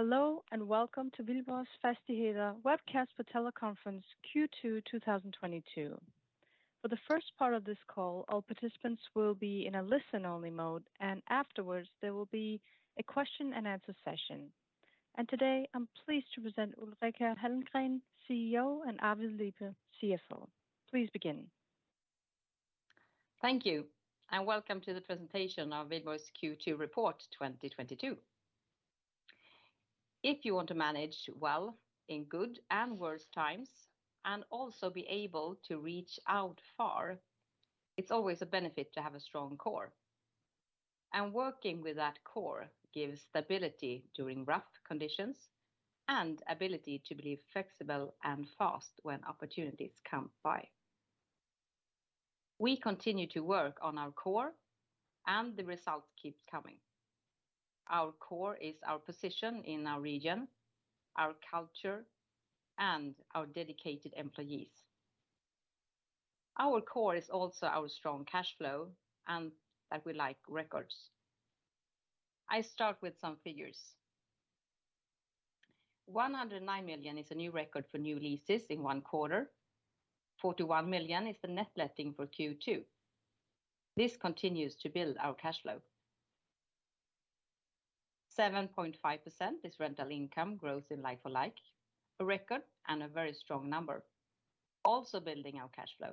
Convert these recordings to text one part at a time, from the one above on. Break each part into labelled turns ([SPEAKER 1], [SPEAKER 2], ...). [SPEAKER 1] Hello, and welcome to Wihlborgs Fastigheter webcast for teleconference Q2 2022. For the first part of this call, all participants will be in a listen-only mode, and afterwards there will be a question-and-answer session. Today I'm pleased to present Ulrika Hallengren, CEO, and Arvid Liepe, CFO. Please begin.
[SPEAKER 2] Thank you, and welcome to the presentation of Wihlborgs Q2 report 2022. If you want to manage well in good and worse times, and also be able to reach out far, it's always a benefit to have a strong core. Working with that core gives stability during rough conditions and ability to be flexible and fast when opportunities come by. We continue to work on our core, and the results keep coming. Our core is our position in our region, our culture, and our dedicated employees. Our core is also our strong cash flow, and that we like records. I start with some figures. 109 million is a new record for new leases in one quarter. 41 million is the net letting for Q2. This continues to build our cash flow. 7.5% is rental income growth in like for like, a record and a very strong number, also building our cash flow.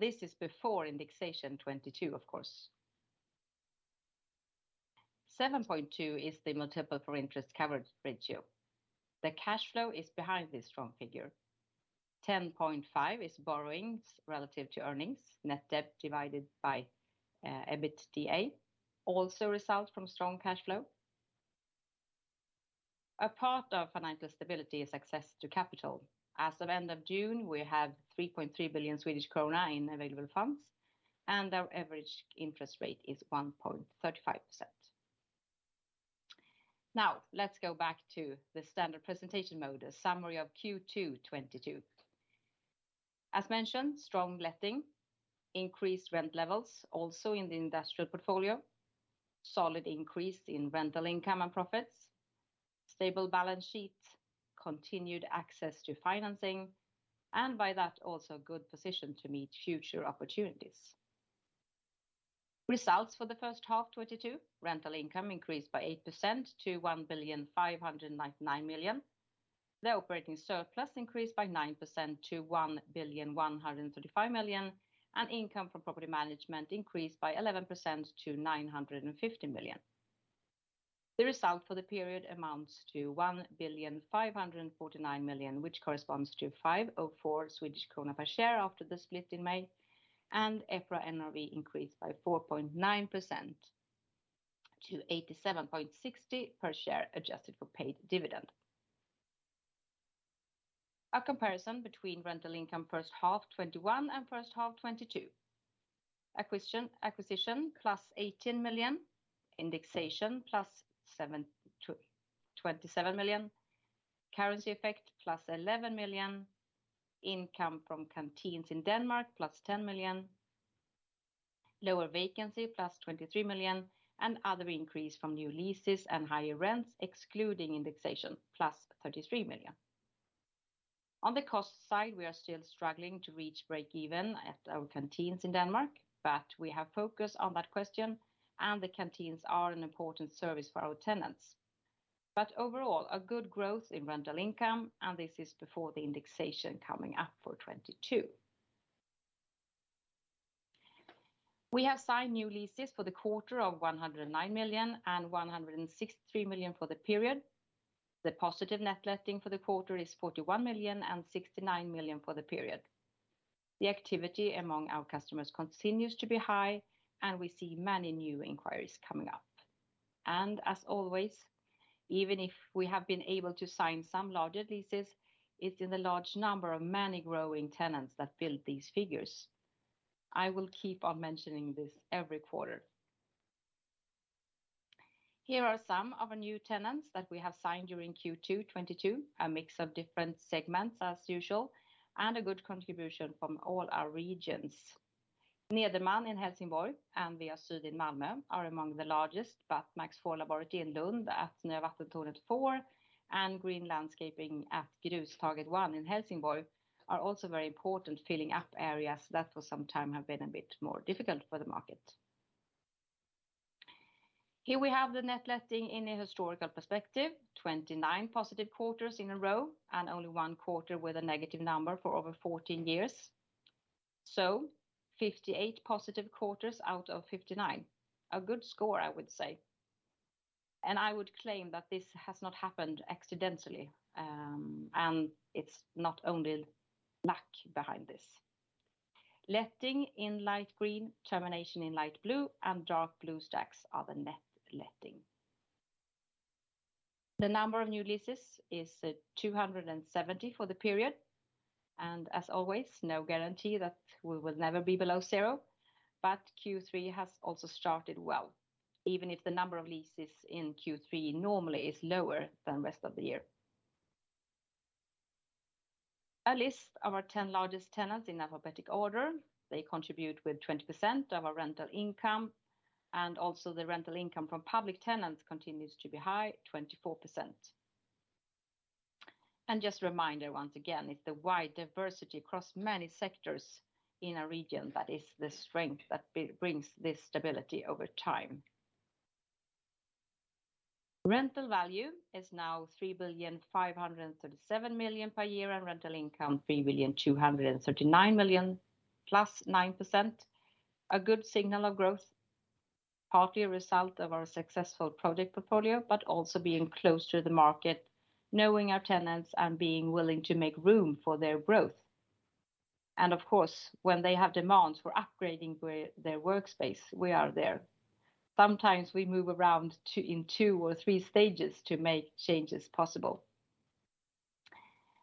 [SPEAKER 2] This is before indexation 2022, of course. 7.2 is the multiple for interest coverage ratio. The cash flow is behind this strong figure. 10.5 is borrowings relative to earnings, net debt divided by EBITDA, also result from strong cash flow. A part of financial stability is access to capital. As of end of June, we have 3.3 billion Swedish krona in available funds, and our average interest rate is 1.35%. Now, let's go back to the standard presentation mode, a summary of Q2 2022. As mentioned, strong letting, increased rent levels also in the industrial portfolio, solid increase in rental income and profits, stable balance sheet, continued access to financing, and by that also good position to meet future opportunities. Results for the first half 2022. Rental income increased by 8% to 1,599 million. The operating surplus increased by 9% to 1,135 million, and income from property management increased by 11% to 950 million. The result for the period amounts to 1,549 million, which corresponds to 5.04 Swedish krona per share after the split in May, and EPRA NRV increased by 4.9% to 87.60 SEK per share adjusted for paid dividend. A comparison between rental income first half 2021 and first half 2022. Acquisition +18 million, indexation +27 million, currency effect +11 million, income from canteens in Denmark +10 million, lower vacancy +23 million, and other increase from new leases and higher rents excluding indexation +33 million. On the cost side, we are still struggling to reach break even at our canteens in Denmark, but we have focus on that question, and the canteens are an important service for our tenants. Overall, a good growth in rental income, and this is before the indexation coming up for 2022. We have signed new leases for the quarter of 109 million and 163 million for the period. The positive net letting for the quarter is 41 million and 69 million for the period. The activity among our customers continues to be high, and we see many new inquiries coming up. As always, even if we have been able to sign some larger leases, it's in the large number of many growing tenants that build these figures. I will keep on mentioning this every quarter. Here are some of our new tenants that we have signed during Q2 2022, a mix of different segments as usual, and a good contribution from all our regions. Nederman in Helsingborg and Via Syd in Malmö are among the largest, but MAX IV Laboratory in Lund at Nya Vattentornet 4 and Green Landscaping at Grustaget 1 in Helsingborg are also very important, filling up areas that for some time have been a bit more difficult for the market. Here we have the net letting in a historical perspective, 29 positive quarters in a row and only one quarter with a negative number for over 14 years. Fifty-eight positive quarters out of 59. A good score, I would say. I would claim that this has not happened accidentally, and it's not only luck behind this. Letting in light green, termination in light blue, and dark blue stacks are the net letting. The number of new leases is 270 for the period. As always, no guarantee that we will never be below zero. Q3 has also started well, even if the number of leases in Q3 normally is lower than rest of the year. A list of our 10 largest tenants in alphabetical order. They contribute with 20% of our rental income, and also the rental income from public tenants continues to be high, 24%. Just a reminder once again, it's the wide diversity across many sectors in a region that is the strength that brings this stability over time. Rental value is now 3,537,000,000 per year, and rental income 3,239,000,000 +9%. A good signal of growth, partly a result of our successful project portfolio, but also being close to the market, knowing our tenants, and being willing to make room for their growth. Of course, when they have demands for upgrading their workspace, we are there. Sometimes we move around in two or three stages to make changes possible.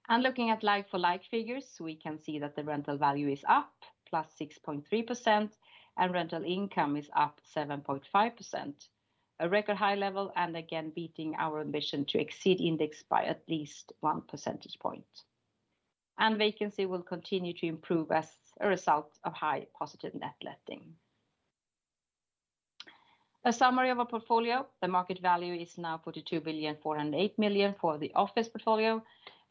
[SPEAKER 2] Looking at like-for-like figures, we can see that the rental value is up, +6.3%, and rental income is up 7.5%. A record high level, and again, beating our ambition to exceed index by at least 1 percentage point. Vacancy will continue to improve as a result of high positive net letting. A summary of our portfolio. The market value is now 42,408,000,000 for the office portfolio,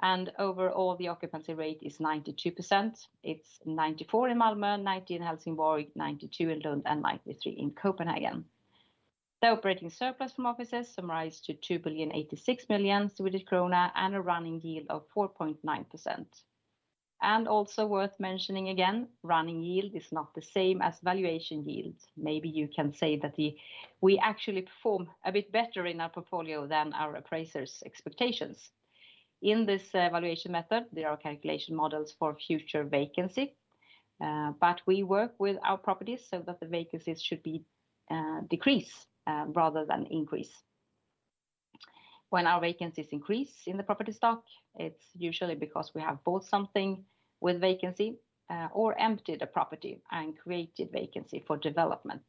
[SPEAKER 2] and overall, the occupancy rate is 92%. It's 94% in Malmö, 90% in Helsingborg, 92% in Lund, and 93% in Copenhagen. The operating surplus from offices summarize to 2,086,000,000 Swedish krona and a running yield of 4.9%. Also worth mentioning again, running yield is not the same as valuation yield. Maybe you can say that we actually perform a bit better in our portfolio than our appraisers' expectations. In this valuation method, there are calculation models for future vacancy, but we work with our properties so that the vacancies should be decrease rather than increase. When our vacancies increase in the property stock, it's usually because we have bought something with vacancy or emptied a property and created vacancy for development.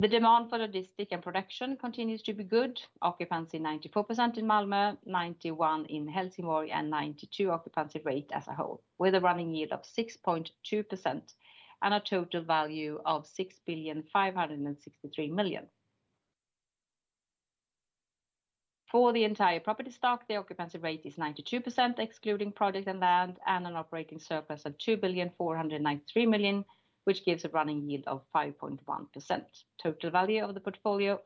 [SPEAKER 2] The demand for logistics and production continues to be good. Occupancy 94% in Malmö, 91% in Helsingborg, and 92% occupancy rate as a whole, with a running yield of 6.2% and a total value of 6,563,000,000. For the entire property stock, the occupancy rate is 92%, excluding project and land, and an operating surplus of 2,493,000,000, which gives a running yield of 5.1%. Total value of the portfolio,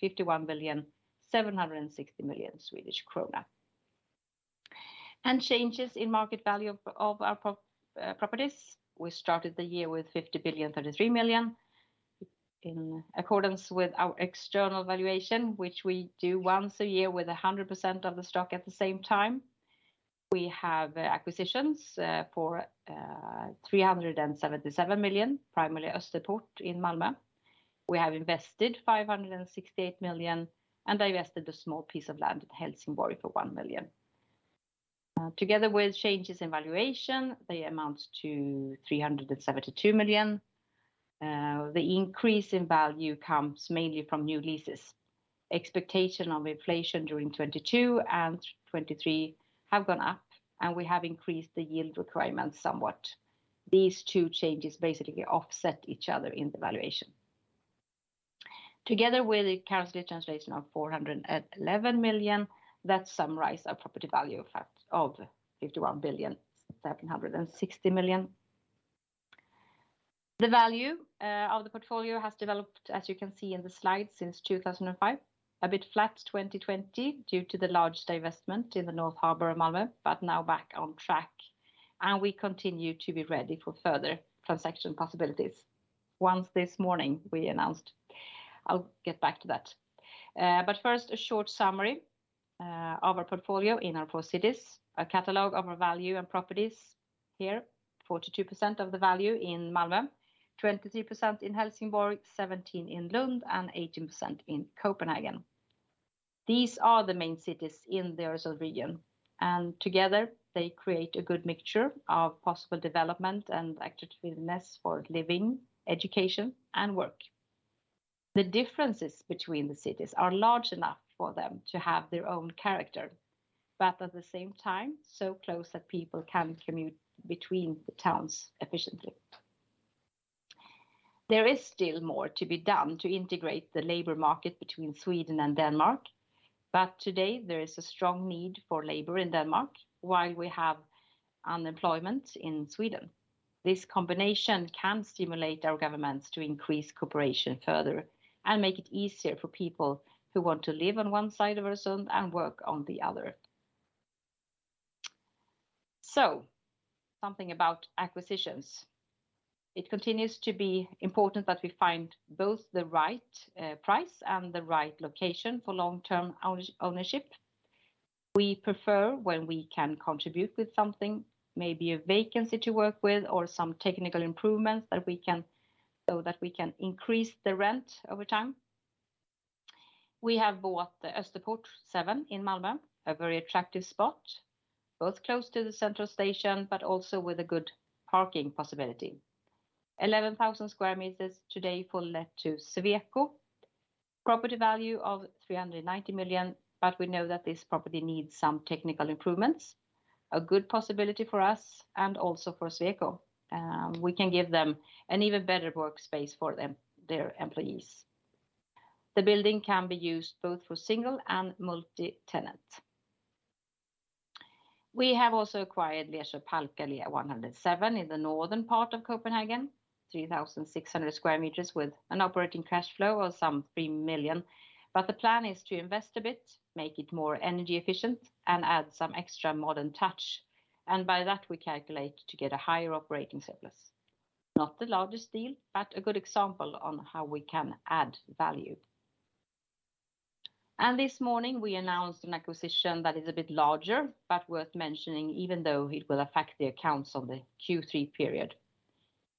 [SPEAKER 2] 51,760,000,000 Swedish krona. Changes in market value of our properties. We started the year with 50,033,000,000. In accordance with our external valuation, which we do once a year with 100% of the stock at the same time. We have acquisitions for 377,000,000, primarily Österport in Malmö. We have invested 568,000,000 and divested a small piece of land at Helsingborg for 1,000,000. Together with changes in valuation, they amount to 372,000,000. The increase in value comes mainly from new leases. Expectations of inflation during 2022 and 2023 have gone up, and we have increased the yield requirements somewhat. These two changes basically offset each other in the valuation. Together with the currency translation of 411 million, that summarizes our property value of 51.76 billion. The value of the portfolio has developed, as you can see in the slide, since 2005. A bit flat 2020 due to the largest investment in the Nyhamnen of Malmö, but now back on track, and we continue to be ready for further transaction possibilities. Once this morning we announced. I'll get back to that. First, a short summary of our portfolio in our four cities. A catalog of our value and properties here, 42% of the value in Malmö, 23% in Helsingborg, 17% in Lund, and 18% in Copenhagen. These are the main cities in the Öresund region, and together they create a good mixture of possible development and attractiveness for living, education, and work. The differences between the cities are large enough for them to have their own character, but at the same time, so close that people can commute between the towns efficiently. There is still more to be done to integrate the labor market between Sweden and Denmark, but today there is a strong need for labor in Denmark while we have unemployment in Sweden. This combination can stimulate our governments to increase cooperation further and make it easier for people who want to live on one side of Öresund and work on the other. Something about acquisitions. It continues to be important that we find both the right price and the right location for long-term ownership. We prefer when we can contribute with something, maybe a vacancy to work with or some technical improvements that we can so that we can increase the rent over time. We have bought Österport 7 in Malmö, a very attractive spot, both close to the central station but also with a good parking possibility. 11,000 square meters today fully let to Sweco. Property value of 390 million, but we know that this property needs some technical improvements. A good possibility for us and also for Sweco. We can give them an even better workspace for their employees. The building can be used both for single and multi-tenant. We have also acquired Vermundsgade 107 in the northern part of Copenhagen, 3,600 square meters with an operating cash flow of some 3 million. The plan is to invest a bit, make it more energy efficient, and add some extra modern touch. By that, we calculate to get a higher operating surplus. Not the largest deal, but a good example on how we can add value. This morning, we announced an acquisition that is a bit larger but worth mentioning, even though it will affect the accounts on the Q3 period.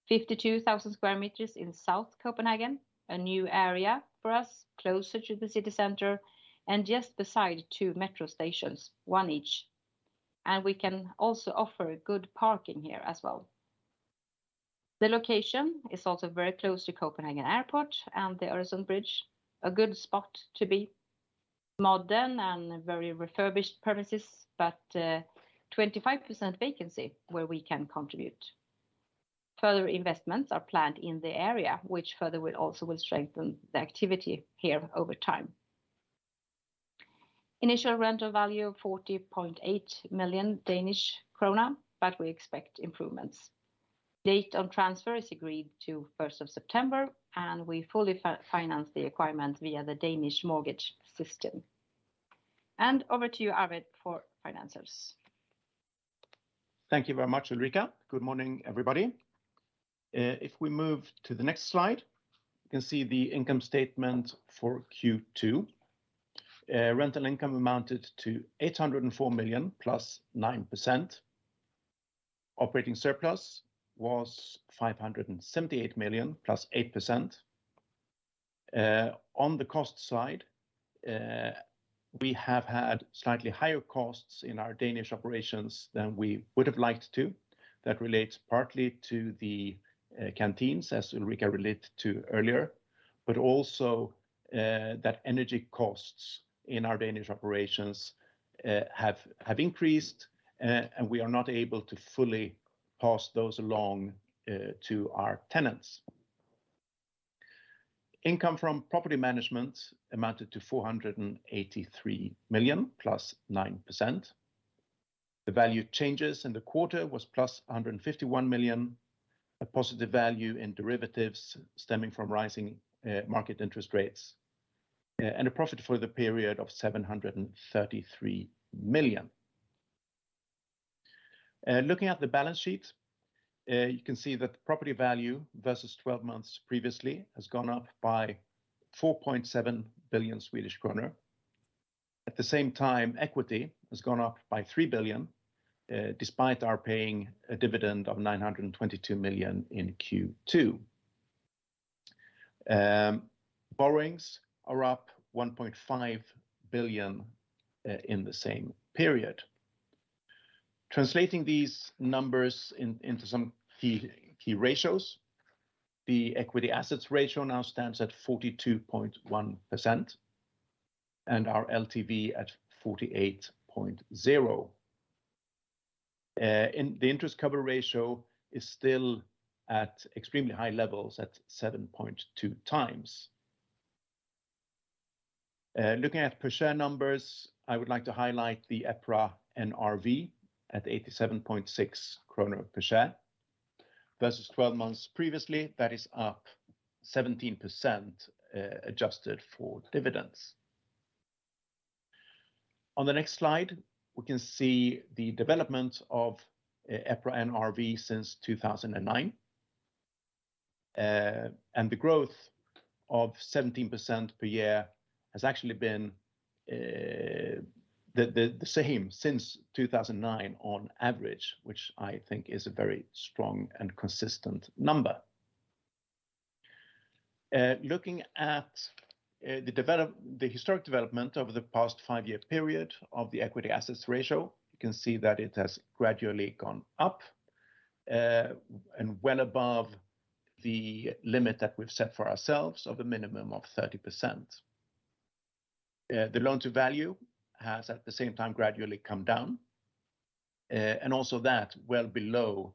[SPEAKER 2] 52,000 square meters in South Copenhagen, a new area for us, closer to the city center, and just beside two metro stations, one each. We can also offer good parking here as well. The location is also very close to Copenhagen Airport and the Öresund Bridge, a good spot to be. Modern and very refurbished premises, but 25% vacancy where we can contribute. Further investments are planned in the area, which further will also strengthen the activity here over time. Initial rental value of 40.8 million Danish krone, but we expect improvements. Date on transfer is agreed to first of September, and we fully finance the requirement via the Danish mortgage system. Over to you, Arvid, for finances.
[SPEAKER 3] Thank you very much, Ulrika. Good morning, everybody. If we move to the next slide, you can see the income statement for Q2. Rental income amounted to 804 million +9%. Operating surplus was 578 million +8%. On the cost side, we have had slightly higher costs in our Danish operations than we would have liked to. That relates partly to the canteens, as Ulrika related to earlier, but also that energy costs in our Danish operations have increased. We are not able to fully pass those along to our tenants. Income from property management amounted to 483 million +9%. The value changes in the quarter was +151 million, a positive value in derivatives stemming from rising market interest rates, and a profit for the period of 733 million. Looking at the balance sheet, you can see that the property value versus 12 months previously has gone up by 4.7 billion Swedish kronor. At the same time, equity has gone up by 3 billion, despite our paying a dividend of 922 million in Q2. Borrowings are up 1.5 billion in the same period. Translating these numbers into some key ratios, the equity/assets ratio now stands at 42.1%, and our LTV at 48.0%. The interest cover ratio is still at extremely high levels at 7.2 times. Looking at per share numbers, I would like to highlight the EPRA NRV at 87.6 kronor per share. Versus twelve months previously, that is up 17%, adjusted for dividends. On the next slide, we can see the development of EPRA NRV since 2009. The growth of 17% per year has actually been the same since 2009 on average, which I think is a very strong and consistent number. Looking at the historic development over the past five-year period of the equity assets ratio, you can see that it has gradually gone up and well above the limit that we've set for ourselves of a minimum of 30%. The loan to value has at the same time gradually come down, and that's well below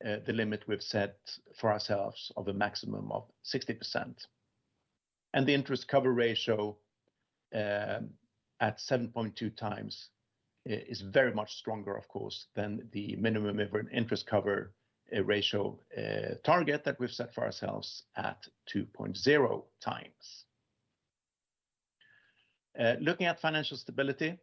[SPEAKER 3] the limit we've set for ourselves of a maximum of 60%. The interest coverage ratio at 7.2 times is very much stronger, of course, than the minimum interest coverage ratio target that we've set for ourselves at 2.0 times. Looking at financial stability,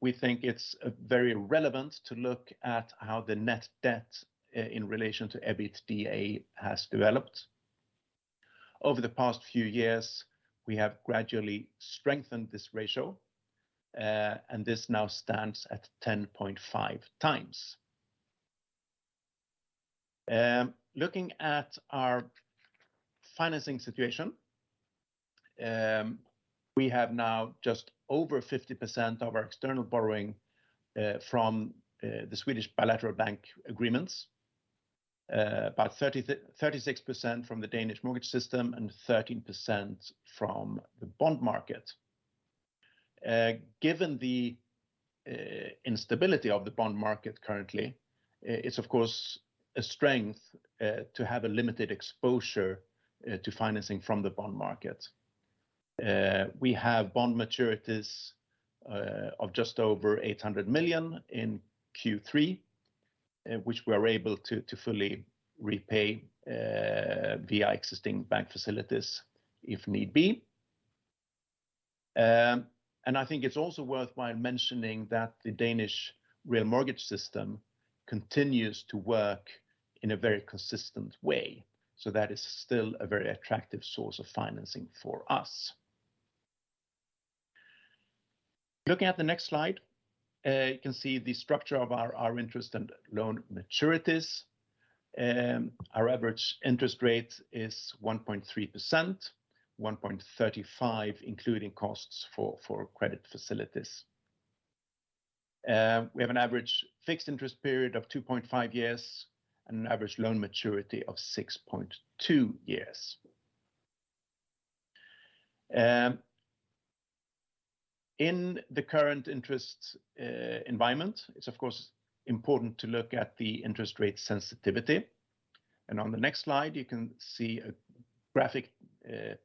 [SPEAKER 3] we think it's very relevant to look at how the net debt in relation to EBITDA has developed. Over the past few years, we have gradually strengthened this ratio, and this now stands at 10.5 times. Looking at our financing situation, we have now just over 50% of our external borrowing from the Swedish bilateral bank agreements. About 30-36% from the Danish mortgage system and 13% from the bond market. Given the instability of the bond market currently, it's of course a strength to have a limited exposure to financing from the bond market. We have bond maturities of just over 800 million in Q3, which we are able to fully repay via existing bank facilities if need be. I think it's also worthwhile mentioning that the Danish real mortgage system continues to work in a very consistent way. That is still a very attractive source of financing for us. Looking at the next slide, you can see the structure of our interest and loan maturities. Our average interest rate is 1.3%, 1.35% including costs for credit facilities. We have an average fixed interest period of 2.5 years and an average loan maturity of 6.2 years. In the current interest environment, it's of course important to look at the interest rate sensitivity. On the next slide you can see a graphic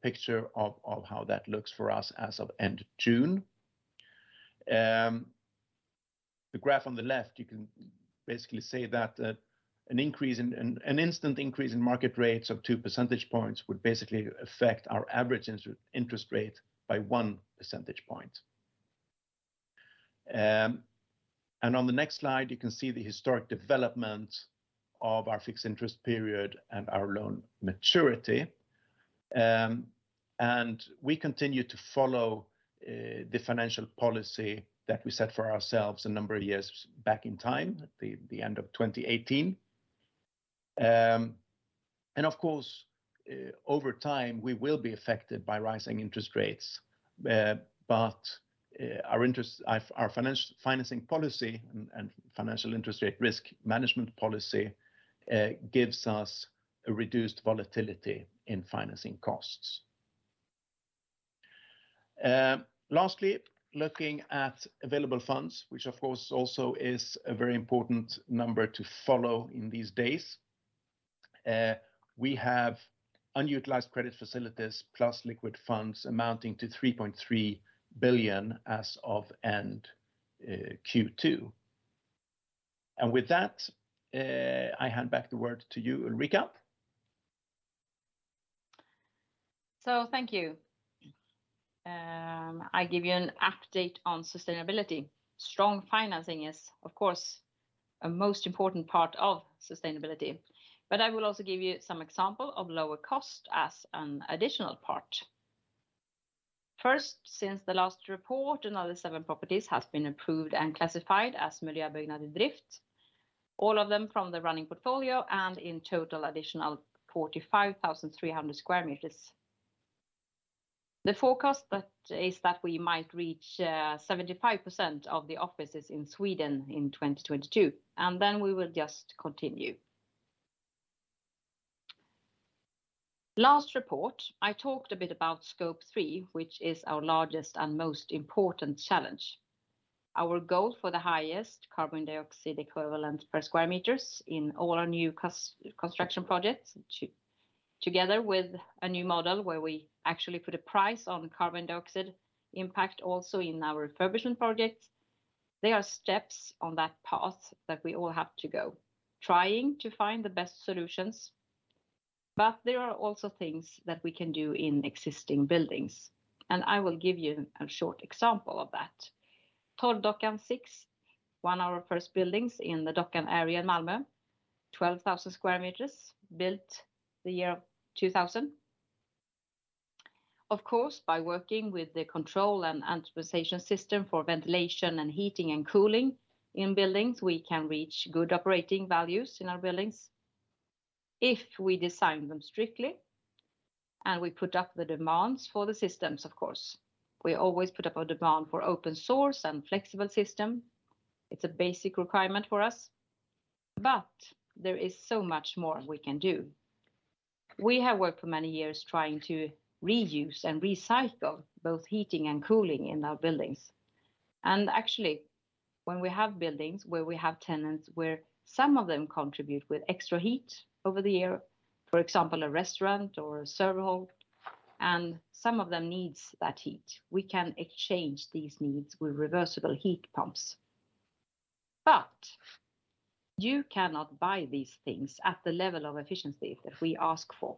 [SPEAKER 3] picture of how that looks for us as of end of June. The graph on the left, you can basically say that an instant increase in market rates of 2 percentage points would basically affect our average interest rate by 1 percentage point. On the next slide you can see the historic development of our fixed interest period and our loan maturity. We continue to follow the financial policy that we set for ourselves a number of years back in time, the end of 2018. Of course, over time we will be affected by rising interest rates. Our interest, our financial financing policy and financial interest rate risk management policy gives us a reduced volatility in financing costs. Lastly, looking at available funds, which of course also is a very important number to follow in these days. We have unutilized credit facilities plus liquid funds amounting to 3.3 billion as of end of Q2. With that, I hand back the word to you, Ulrika.
[SPEAKER 2] Thank you. I give you an update on sustainability. Strong financing is of course a most important part of sustainability, but I will also give you some example of lower cost as an additional part. First, since the last report, another seven properties has been approved and classified as Miljöbyggnad iDrift. All of them from the running portfolio, and in total additional 45,300 square meters. The forecast that is that we might reach 75% of the offices in Sweden in 2022, and then we will just continue. Last report, I talked a bit about Scope 3, which is our largest and most important challenge. Our goal for the highest carbon dioxide equivalent per square meters in all our new construction projects, together with a new model where we actually put a price on carbon dioxide impact also in our refurbishment projects. They are steps on that path that we all have to go, trying to find the best solutions. There are also things that we can do in existing buildings, and I will give you a short example of that. Torrdockan 6, one of our first buildings in the Dockan area in Malmö. 12,000 square meters, built the year 2000. Of course, by working with the control and optimization system for ventilation and heating and cooling in buildings, we can reach good operating values in our buildings if we design them strictly and we put up the demands for the systems, of course. We always put up a demand for open source and flexible system. It's a basic requirement for us. There is so much more we can do. We have worked for many years trying to reuse and recycle both heating and cooling in our buildings. Actually, when we have buildings where we have tenants, where some of them contribute with extra heat over the year, for example, a restaurant or a server hall, and some of them needs that heat. We can exchange these needs with reversible heat pumps. You cannot buy these things at the level of efficiency that we ask for.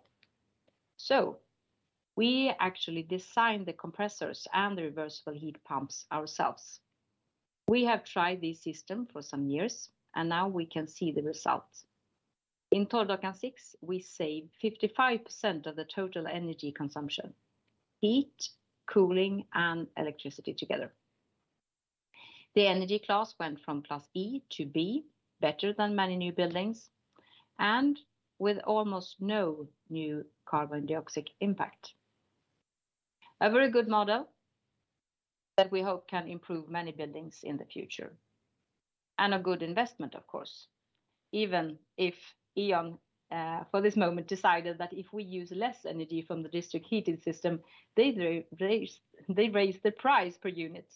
[SPEAKER 2] We actually design the compressors and the reversible heat pumps ourselves. We have tried this system for some years, and now we can see the results. In Torrdockan 6, we save 55% of the total energy consumption, heat, cooling, and electricity together. The energy class went from class E to B, better than many new buildings, and with almost no new carbon dioxide impact. A very good model that we hope can improve many buildings in the future, and a good investment of course. Even if E.ON for this moment decided that if we use less energy from the district heating system, they raise the price per unit.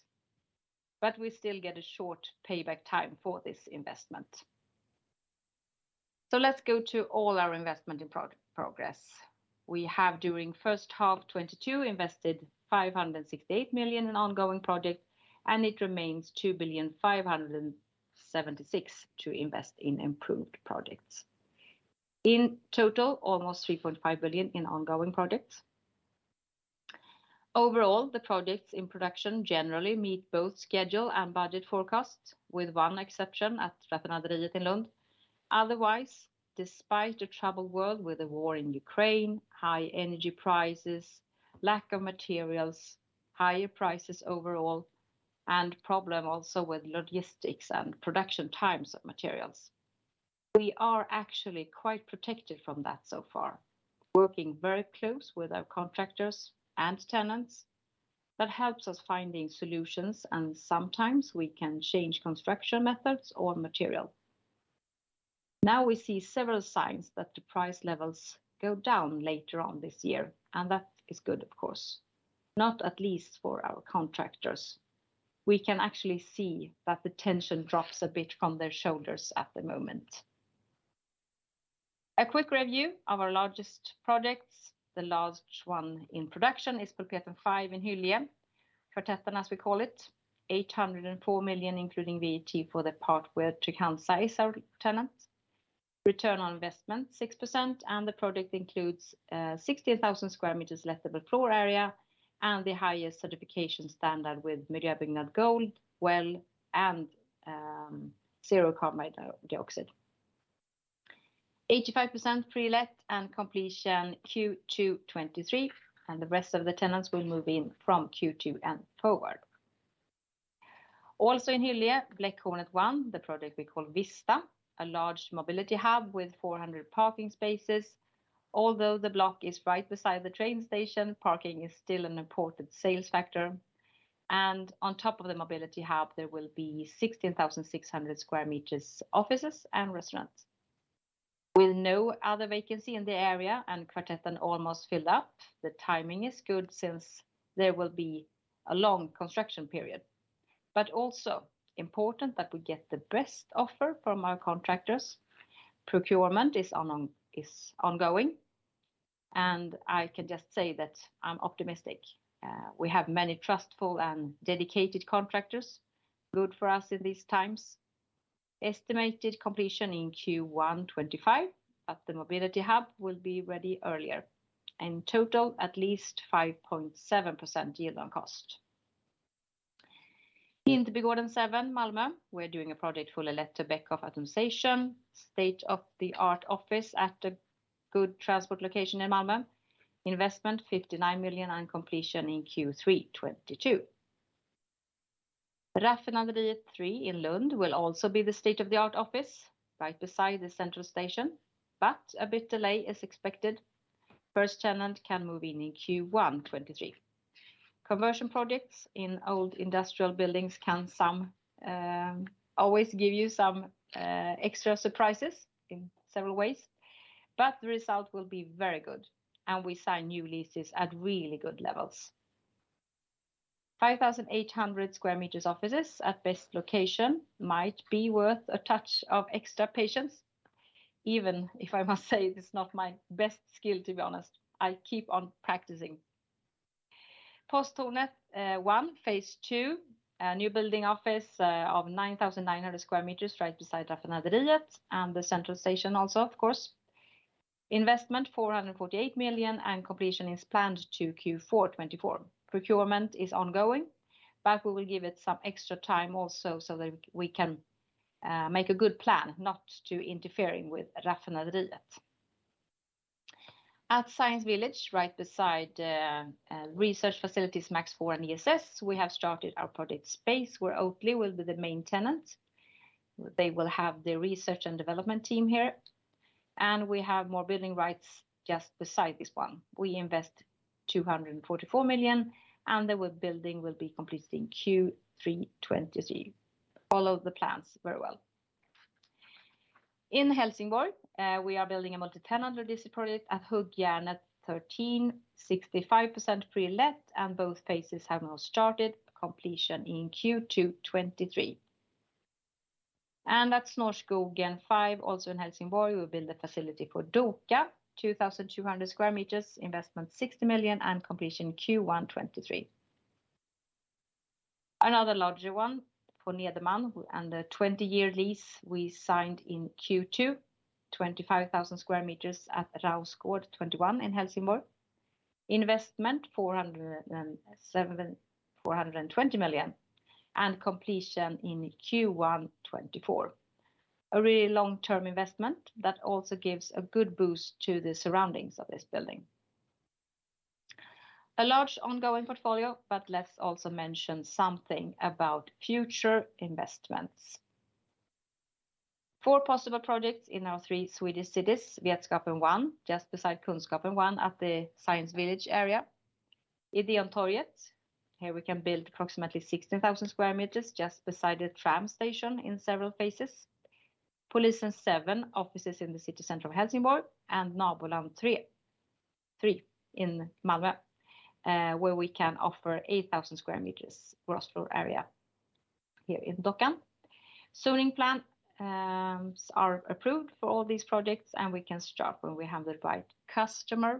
[SPEAKER 2] We still get a short payback time for this investment. Let's go to all our investment in progress. We have during first half 2022 invested 568 million in ongoing project, and it remains 2.576 billion to invest in ongoing projects. In total, almost 3.5 billion in ongoing projects. Overall, the projects in production generally meet both schedule and budget forecasts, with one exception at Raffinaderiet 3 in Lund. Otherwise, despite the troubled world with the war in Ukraine, high energy prices, lack of materials, higher prices overall, and problem also with logistics and production times of materials, we are actually quite protected from that so far. Working very close with our contractors and tenants. That helps us finding solutions, and sometimes we can change construction methods or material. Now we see several signs that the price levels go down later on this year, and that is good of course, not at least for our contractors. We can actually see that the tension drops a bit from their shoulders at the moment. A quick review of our largest projects. The large one in production is Pulpetten 5 in Hyllie. Kvartetten as we call it. 804 million including VAT for the part where Trygg-Hansa is our tenant. Return on investment 6%, and the project includes 16,000 square meters lettable floor area and the highest certification standard with Miljöbyggnad Gold, WELL, and zero carbon dioxide. 85% pre-let and completion Q2 2023, and the rest of the tenants will move in from Q2 and forward. Also in Hyllie, Bläckhornet 1, the project we call Vista. A large mobility hub with 400 parking spaces. Although the block is right beside the train station, parking is still an important sales factor. On top of the mobility hub, there will be 16,600 square meters offices and restaurants. With no other vacancy in the area and Kvartetten almost filled up, the timing is good since there will be a long construction period. Also important that we get the best offer from our contractors. Procurement is ongoing, and I can just say that I'm optimistic. We have many trustful and dedicated contractors. Good for us in these times. Estimated completion in Q1 2025, but the mobility hub will be ready earlier. In total, at least 5.7% yield on cost. In Tobygården 7, Malmö, we're doing a project for Beckhoff Automation. State-of-the-art office at a good transport location in Malmö. Investment 59 million and completion in Q3 2022. Raffinaderiet 3 in Lund will also be the state-of-the-art office, right beside the central station. A bit of delay is expected. First tenant can move in in Q1 2023. Conversion projects in old industrial buildings can sometimes always give you some extra surprises in several ways. The result will be very good, and we sign new leases at really good levels. 5,800 sq m offices at best location might be worth a touch of extra patience, even if I must say it is not my best skill, to be honest. I keep on practicing. Posttornet 1, phase II. A new office building of 9,900 sq m right beside Raffinaderiet and the central station also, of course. Investment 448 million, and completion is planned to Q4 2024. Procurement is ongoing, but we will give it some extra time also so that we can make a good plan not to interfere with Raffinaderiet. At Science Village, right beside research facilities MAX IV and ESS, we have started our project Space, where Oatly will be the main tenant. They will have their research and development team here. We have more building rights just beside this one. We invest 244 million, and the building will be completed in Q3 2023. Follow the plans very well. In Helsingborg, we are building a multi-tenant office project at Huggjärnet 13. 65% pre-let, and both phases have now started. Completion in Q2 2023. At Snårskogen 5, also in Helsingborg, we build a facility for Doka. 2,200 square meters, investment 60 million, and completion Q1 2023. Another larger one for Nederman, and a 20-year lease we signed in Q2. 25,000 square meters at Rausgård 21 in Helsingborg. Investment 420 million, and completion in Q1 2024. A really long-term investment that also gives a good boost to the surroundings of this building. A large ongoing portfolio, but let's also mention something about future investments. Four possible projects in our three Swedish cities. Vetskapen 1, just beside Kunskapen 1 at the Science Village area. Ideontorget, here we can build approximately 16,000 square meters just beside the tram station in several phases. Polisen 7, offices in the city center of Helsingborg. Naboland 3 in Malmö, where we can offer 8,000 square meters gross floor area here in Dockan. Zoning plans are approved for all these projects, and we can start when we have the right customer.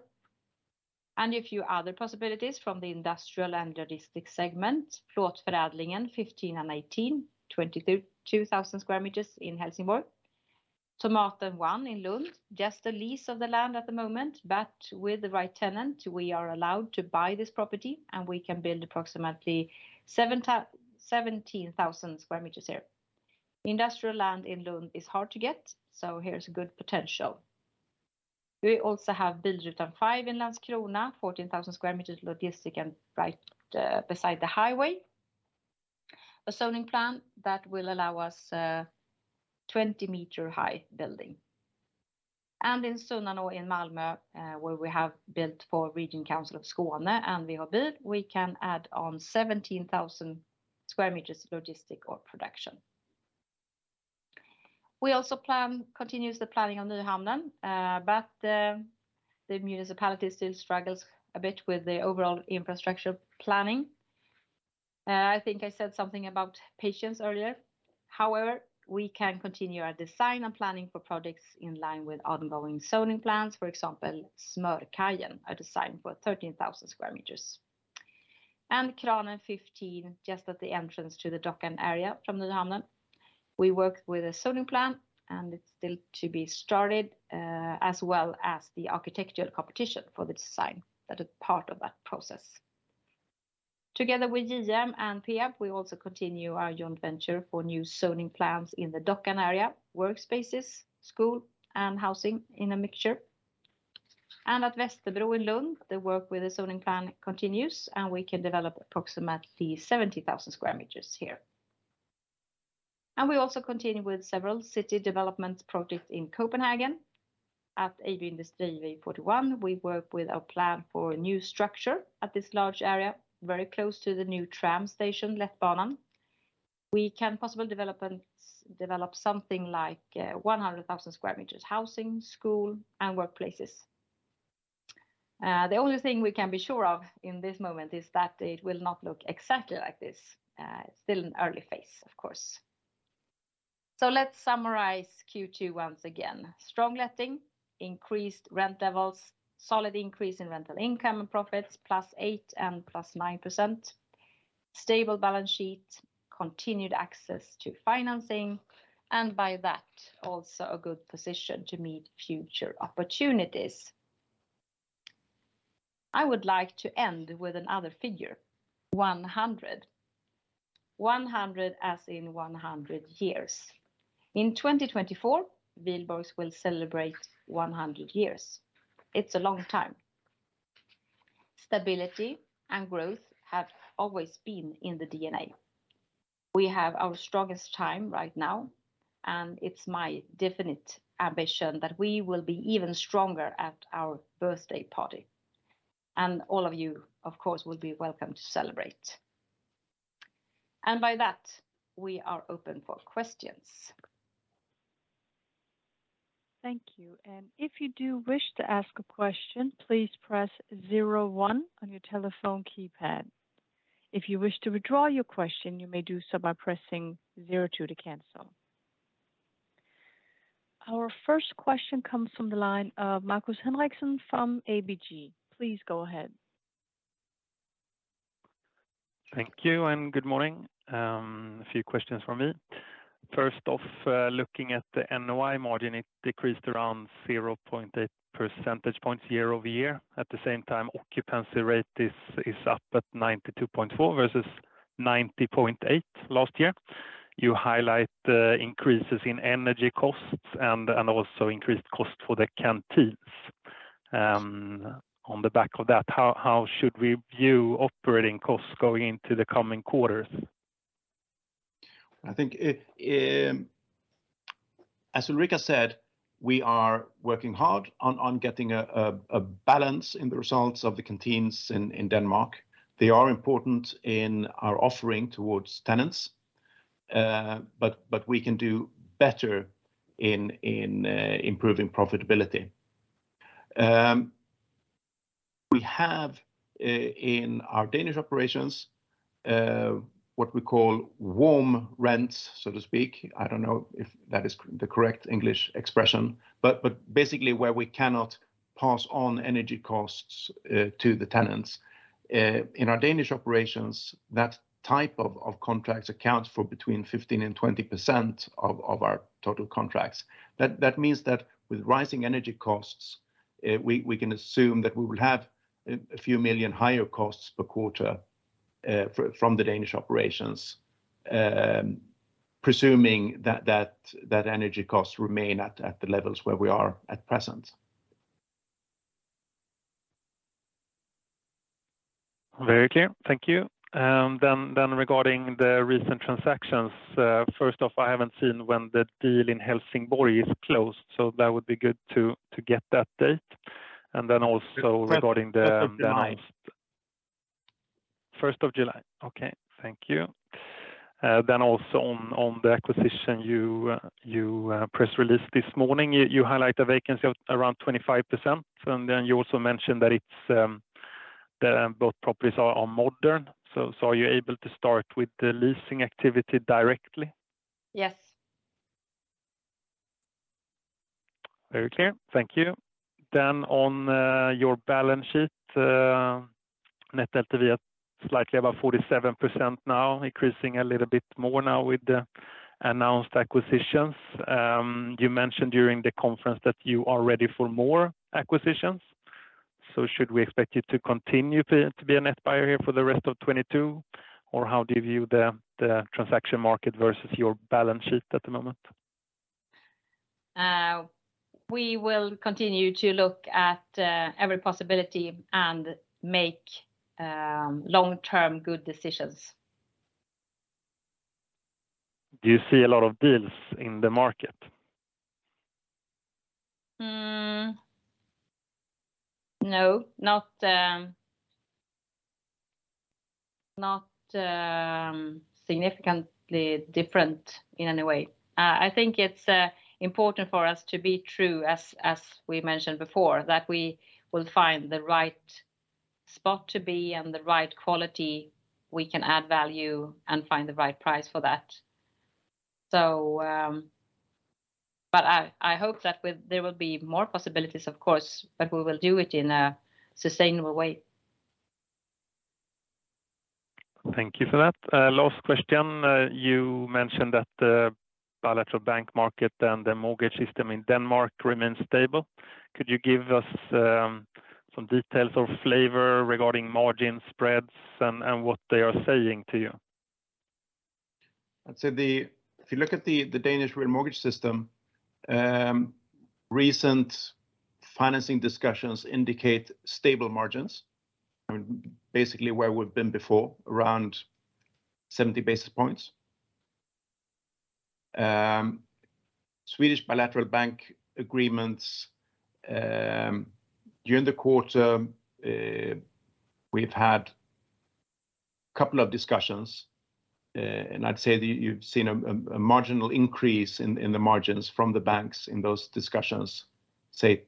[SPEAKER 2] A few other possibilities from the industrial and logistics segment. Plåtförädlingen 15 and 18, 22,000 square meters in Helsingborg. Tomaten 1 in Lund, just a lease of the land at the moment. But with the right tenant, we are allowed to buy this property, and we can build approximately 17,000 square meters here. Industrial land in Lund is hard to get, so here is a good potential. We also have Bildrutan 5 in Landskrona, 14,000 square meters logistics and right beside the highway. A zoning plan that will allow us a 20-meter high building. In Sunnanå in Malmö, where we have built for Region Skåne and WH Bygg, we can add on 17,000 square meters logistics or production. We continue the planning on Nyhamnen, but the municipality still struggles a bit with the overall infrastructure planning. I think I said something about patience earlier. However, we can continue our design and planning for projects in line with ongoing zoning plans. For example, Smörkajen, a design for 13,000 square meters. Kranen 15, just at the entrance to the Dockan area from Nyhamnen. We work with a zoning plan, and it's still to be started, as well as the architectural competition for the design that is part of that process. Together with JM and Peab, we also continue our joint venture for new zoning plans in the Dockan area, workspaces, school, and housing in a mixture. At Västerbro in Lund, the work with the zoning plan continues, and we can develop approximately 70,000 square meters here. We also continue with several city development projects in Copenhagen. At AG Industrivej 41, we work with our plan for a new structure at this large area, very close to the new tram station, Letbanen. We can possibly develop something like 100,000 sq m housing, school, and workplaces. The only thing we can be sure of in this moment is that it will not look exactly like this. It's still an early phase, of course. Let's summarize Q2 once again. Strong letting, increased rent levels, solid increase in rental income and profits, +8% and +9%. Stable balance sheet, continued access to financing, and by that, also a good position to meet future opportunities. I would like to end with another figure, 100. 100 as in 100 years. In 2024, Wihlborgs will celebrate 100 years. It's a long time. Stability and growth have always been in the DNA. We have our strongest time right now, and it's my definite ambition that we will be even stronger at our birthday party. All of you, of course, will be welcome to celebrate. By that, we are open for questions.
[SPEAKER 1] Thank you. If you do wish to ask a question, please press zero one on your telephone keypad. If you wish to withdraw your question, you may do so by pressing zero two to cancel. Our first question comes from the line of Markus Henriksson from ABG. Please go ahead.
[SPEAKER 4] Thank you, and good morning. A few questions from me. First off, looking at the NOI margin, it decreased around 0.8 percentage points year-over-year. At the same time, occupancy rate is up at 92.4% versus 90.8% last year. You highlight the increases in energy costs and also increased costs for the canteens. On the back of that, how should we view operating costs going into the coming quarters?
[SPEAKER 3] I think, as Ulrika said, we are working hard on getting a balance in the results of the canteens in Denmark. They are important in our offering towards tenants, but we can do better in improving profitability. We have in our Danish operations what we call warm rent, so to speak. I don't know if that is the correct English expression, but basically where we cannot pass on energy costs to the tenants. In our Danish operations, that type of contracts account for between 15% and 20% of our total contracts. That means that with rising energy costs, we can assume that we will have SEK a few million higher costs per quarter, from the Danish operations, presuming that energy costs remain at the levels where we are at present.
[SPEAKER 4] Very clear. Thank you. Regarding the recent transactions, first off, I haven't seen when the deal in Helsingborg is closed, so that would be good to get that date. Also regarding the-
[SPEAKER 2] The first of July.
[SPEAKER 4] First of July. Okay. Thank you. Then also on the acquisition press release this morning, you highlight a vacancy of around 25%. You also mentioned that it's the both properties are modern. Are you able to start with the leasing activity directly?
[SPEAKER 2] Yes.
[SPEAKER 4] Very clear. Thank you. On your balance sheet, net LTV at slightly above 47% now, increasing a little bit more now with the announced acquisitions. You mentioned during the conference that you are ready for more acquisitions. Should we expect you to continue to be a net buyer here for the rest of 2022? Or how do you view the transaction market versus your balance sheet at the moment?
[SPEAKER 2] We will continue to look at every possibility and make long-term good decisions.
[SPEAKER 4] Do you see a lot of deals in the market?
[SPEAKER 2] No, not significantly different in any way. I think it's important for us to be true to, as we mentioned before, that we will find the right spot to be and the right quality we can add value and find the right price for that. I hope that there will be more possibilities, of course, but we will do it in a sustainable way.
[SPEAKER 4] Thank you for that. Last question. You mentioned that the bilateral bank market and the mortgage system in Denmark remains stable. Could you give us some details or flavor regarding margin spreads and what they are saying to you?
[SPEAKER 3] I'd say if you look at the Danish mortgage system, recent financing discussions indicate stable margins. I mean, basically where we've been before, around 70 basis points. Swedish bilateral bank agreements during the quarter, we've had a couple of discussions, and I'd say that you've seen a marginal increase in the margins from the banks in those discussions, say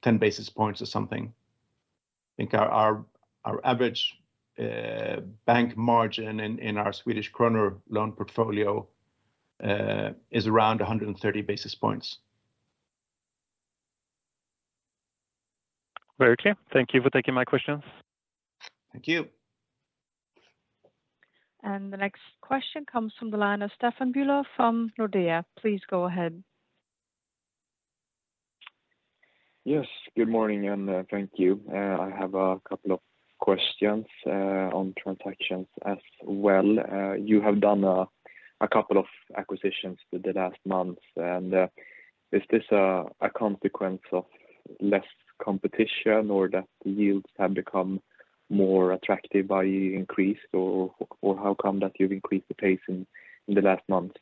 [SPEAKER 3] 10 basis points or something. I think our average bank margin in our Swedish krona loan portfolio is around 130 basis points.
[SPEAKER 4] Very clear. Thank you for taking my questions.
[SPEAKER 3] Thank you.
[SPEAKER 1] The next question comes from the line of Stefan Bühler from Nordea. Please go ahead.
[SPEAKER 5] Yes. Good morning, and thank you. I have a couple of questions on transactions as well. You have done a couple of acquisitions within the last month, and is this a consequence of less competition or that the yields have become more attractive by increased, or how come that you've increased the pace in the last month?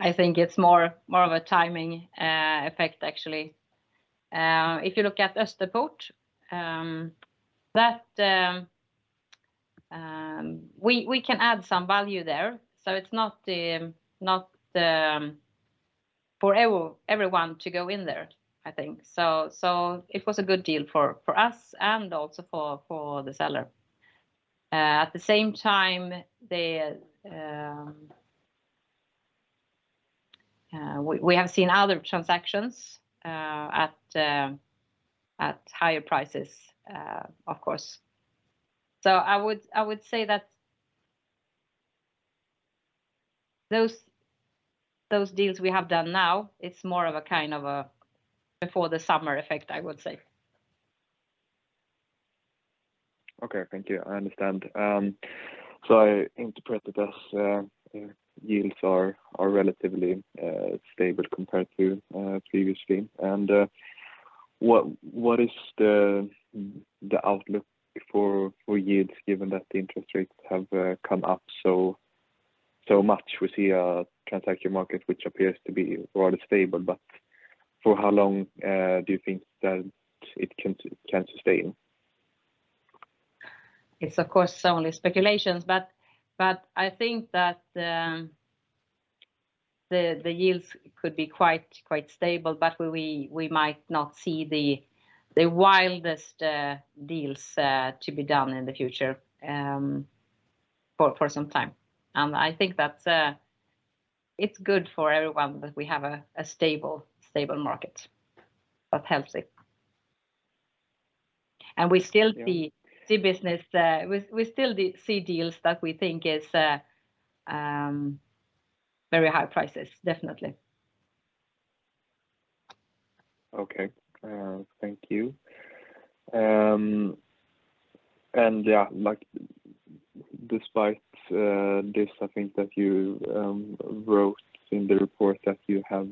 [SPEAKER 2] I think it's more of a timing effect, actually. If you look at Österport, we can add some value there, so it's not for everyone to go in there, I think. It was a good deal for us and also for the seller. At the same time, we have seen other transactions at higher prices, of course. I would say that those deals we have done now, it's more of a kind of a before the summer effect, I would say.
[SPEAKER 5] Okay. Thank you. I understand. So I interpret it as yields are relatively stable compared to previously. What is the outlook for yields given that the interest rates have come up so much? We see a transaction market which appears to be rather stable, but for how long do you think that it can sustain?
[SPEAKER 2] It's of course only speculations, but I think that the yields could be quite stable, but we might not see the wildest deals to be done in the future, for some time. I think that it's good for everyone that we have a stable market that's healthy. We still see.
[SPEAKER 5] Yeah.
[SPEAKER 2] We still do see deals that we think is very high prices. Definitely.
[SPEAKER 5] Okay. Thank you. Yeah, like Despite this, I think that you wrote in the report that you have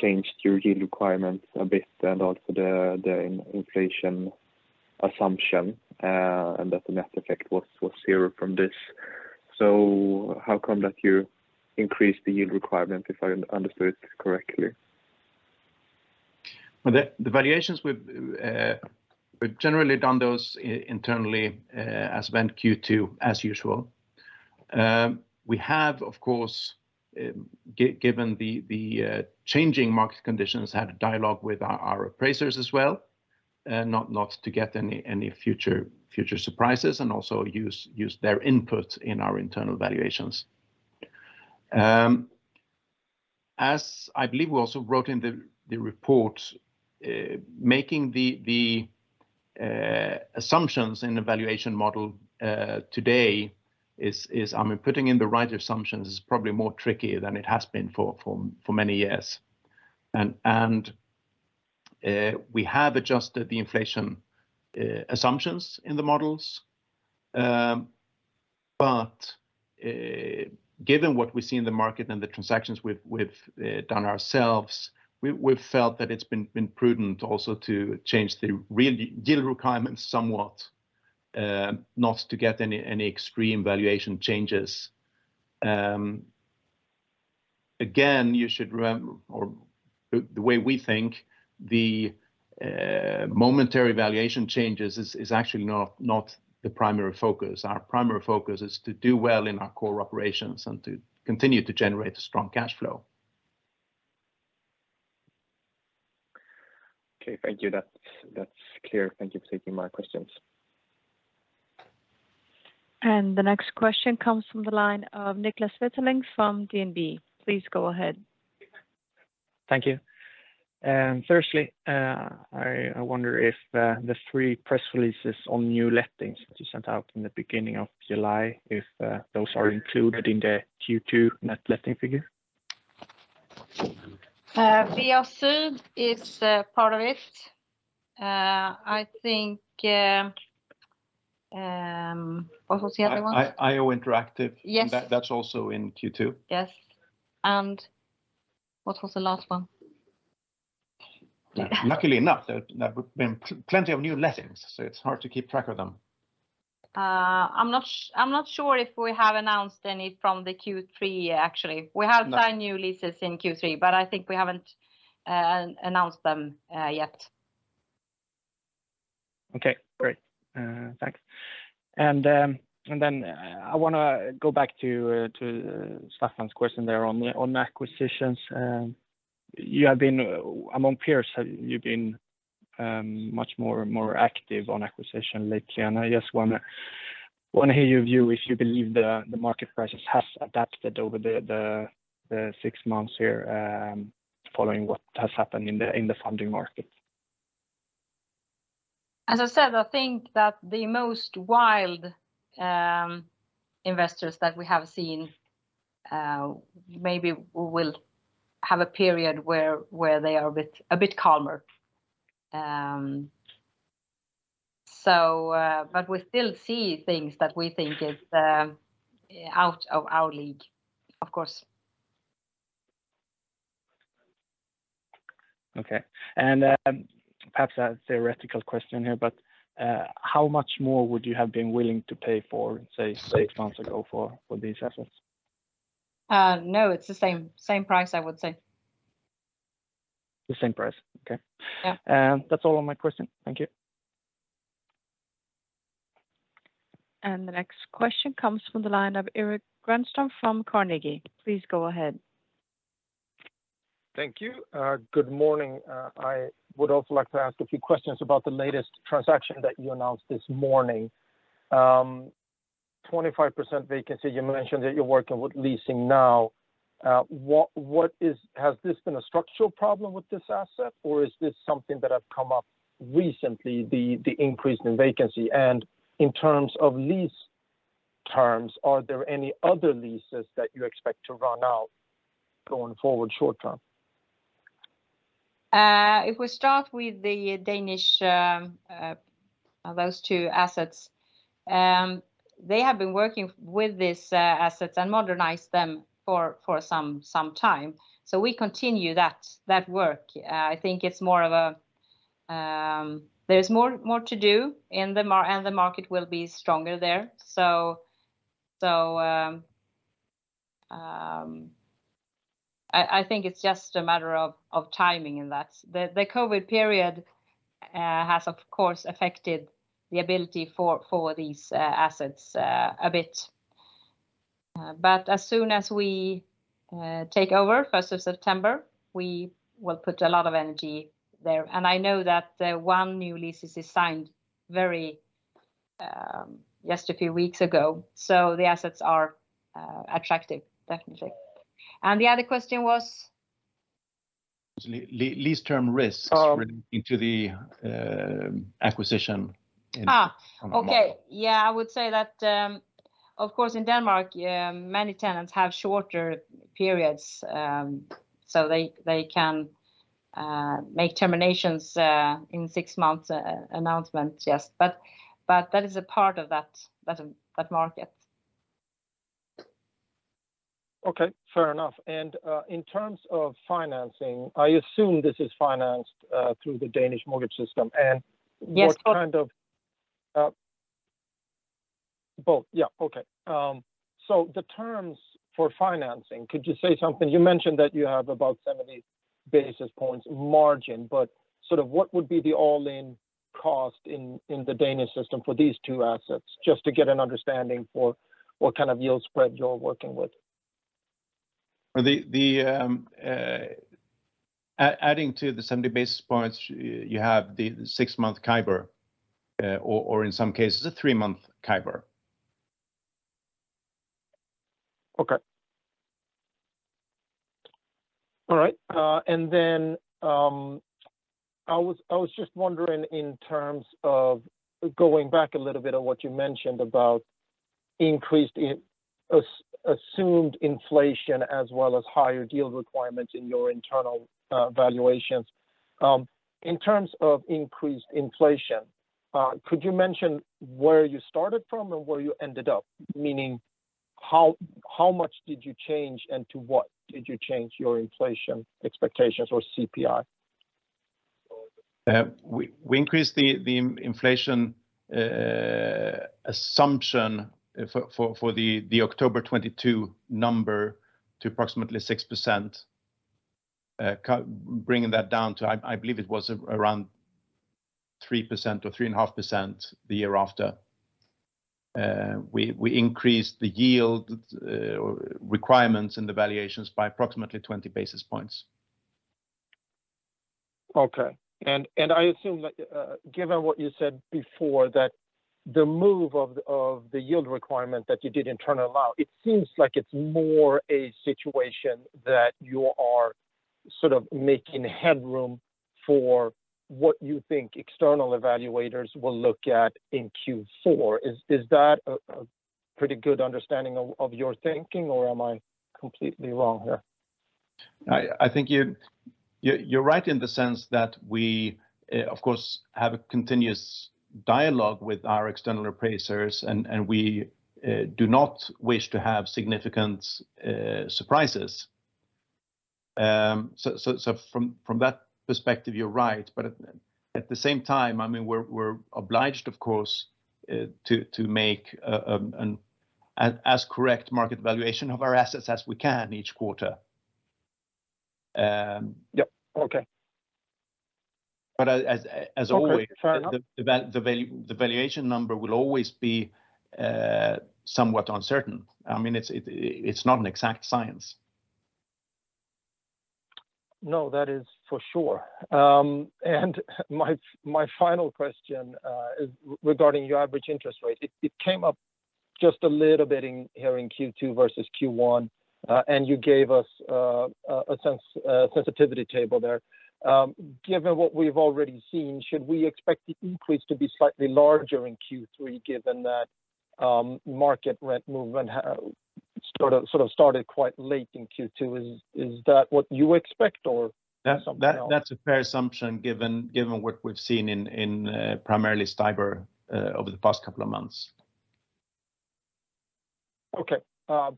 [SPEAKER 5] changed your yield requirements a bit and also the inflation assumption, and that the net effect was zero from this. How come that you increased the yield requirement, if I understood correctly?
[SPEAKER 3] Well, the valuations we've generally done those internally as of end Q2 as usual. We have, of course, given the changing market conditions, had a dialogue with our appraisers as well, not to get any future surprises and also use their input in our internal valuations. As I believe we also wrote in the report, making the assumptions in the valuation model, I mean, putting in the right assumptions is probably more tricky than it has been for many years. We have adjusted the inflation assumptions in the models. Given what we see in the market and the transactions we've done ourselves, we've felt that it's been prudent also to change the real yield requirements somewhat, not to get any extreme valuation changes. Again, the way we think the momentary valuation changes is actually not the primary focus. Our primary focus is to do well in our core operations and to continue to generate a strong cash flow.
[SPEAKER 5] Okay. Thank you. That's clear. Thank you for taking my questions.
[SPEAKER 1] The next question comes from the line of Niklas Wetterling from DNB. Please go ahead.
[SPEAKER 6] Thank you. Firstly, I wonder if the three press releases on new lettings that you sent out in the beginning of July, if those are included in the Q2 net letting figure?
[SPEAKER 2] Via Syd is a part of it. What was the other one?
[SPEAKER 3] IO Interactive
[SPEAKER 2] Yes
[SPEAKER 3] That, that's also in Q2.
[SPEAKER 2] Yes. What was the last one?
[SPEAKER 3] Luckily enough, there have been plenty of new lettings, so it's hard to keep track of them.
[SPEAKER 2] I'm not sure if we have announced any from the Q3 actually.
[SPEAKER 3] No.
[SPEAKER 2] We have signed new leases in Q3, but I think we haven't announced them yet.
[SPEAKER 6] Okay, great. Thanks. I wanna go back to Staffan's question there on acquisitions. Among peers, you've been much more active on acquisition lately, and I just wanna hear your view if you believe the market prices has adapted over the six months here, following what has happened in the funding market.
[SPEAKER 2] As I said, I think that the most wild investors that we have seen maybe will have a period where they are a bit calmer. But we still see things that we think is out of our league, of course.
[SPEAKER 6] Okay. Perhaps a theoretical question here, but, how much more would you have been willing to pay for, say, six months ago for these assets?
[SPEAKER 2] No, it's the same price, I would say.
[SPEAKER 6] The same price? Okay.
[SPEAKER 2] Yeah.
[SPEAKER 6] That's all on my question. Thank you.
[SPEAKER 1] The next question comes from the line of Erik Granström from Carnegie. Please go ahead.
[SPEAKER 7] Thank you. Good morning. I would also like to ask a few questions about the latest transaction that you announced this morning. 25% vacancy, you mentioned that you're working with leasing now. What is. Has this been a structural problem with this asset, or is this something that have come up recently, the increase in vacancy? In terms of lease terms, are there any other leases that you expect to run out going forward short term?
[SPEAKER 2] If we start with the Danish those two assets they have been working with these assets and modernize them for some time. We continue that work. I think it's more of a. There's more to do and the market will be stronger there. I think it's just a matter of timing in that. The COVID period has of course affected the ability for these assets a bit. As soon as we take over 1st of September, we will put a lot of energy there. I know that one new lease is signed just a few weeks ago. The assets are attractive, definitely. The other question was?
[SPEAKER 3] Lease term risks relating to the acquisition in-
[SPEAKER 2] Okay.
[SPEAKER 3] Copenhagen.
[SPEAKER 2] Yeah, I would say that, of course, in Denmark, many tenants have shorter periods, so they can make terminations in six months announcement. Yes. That is a part of that market.
[SPEAKER 7] Okay. Fair enough. In terms of financing, I assume this is financed through the Danish mortgage system and-
[SPEAKER 2] Yes
[SPEAKER 7] The terms for financing, could you say something? You mentioned that you have about 70 basis points margin, but sort of what would be the all-in cost in the Danish system for these two assets, just to get an understanding for what kind of yield spread you're working with.
[SPEAKER 3] Adding to the 70 basis points, you have the six-month CIBOR, or in some cases a three-month CIBOR.
[SPEAKER 7] Okay. All right. I was just wondering in terms of going back a little bit on what you mentioned about increased assumed inflation as well as higher yield requirements in your internal valuations. In terms of increased inflation, could you mention where you started from and where you ended up? Meaning how much did you change and to what did you change your inflation expectations or CPI?
[SPEAKER 3] We increased the inflation assumption for the October 2022 number to approximately 6%. Bringing that down to, I believe it was around 3% or 3.5% the year after. We increased the yield requirements and the valuations by approximately 20 basis points.
[SPEAKER 7] Okay. I assume that, given what you said before, that the move of the yield requirement that you did internally allows, it seems like it's more a situation that you are sort of making headroom for what you think external evaluators will look at in Q4. Is that a pretty good understanding of your thinking, or am I completely wrong here?
[SPEAKER 3] I think you're right in the sense that we of course have a continuous dialogue with our external appraisers and we do not wish to have significant surprises. From that perspective, you're right. At the same time, I mean, we're obliged of course to make an as correct market valuation of our assets as we can each quarter.
[SPEAKER 7] Yeah. Okay.
[SPEAKER 3] as always.
[SPEAKER 7] Okay. Fair enough.
[SPEAKER 3] The valuation number will always be somewhat uncertain. I mean, it's not an exact science.
[SPEAKER 7] No, that is for sure. My final question is regarding your average interest rate. It came up just a little bit in here in Q2 versus Q1. You gave us a sensitivity table there. Given what we've already seen, should we expect the increase to be slightly larger in Q3, given that market rent movement sort of started quite late in Q2? Is that what you expect or something else?
[SPEAKER 3] That's a fair assumption, given what we've seen in primarily CIBOR over the past couple of months.
[SPEAKER 7] Okay.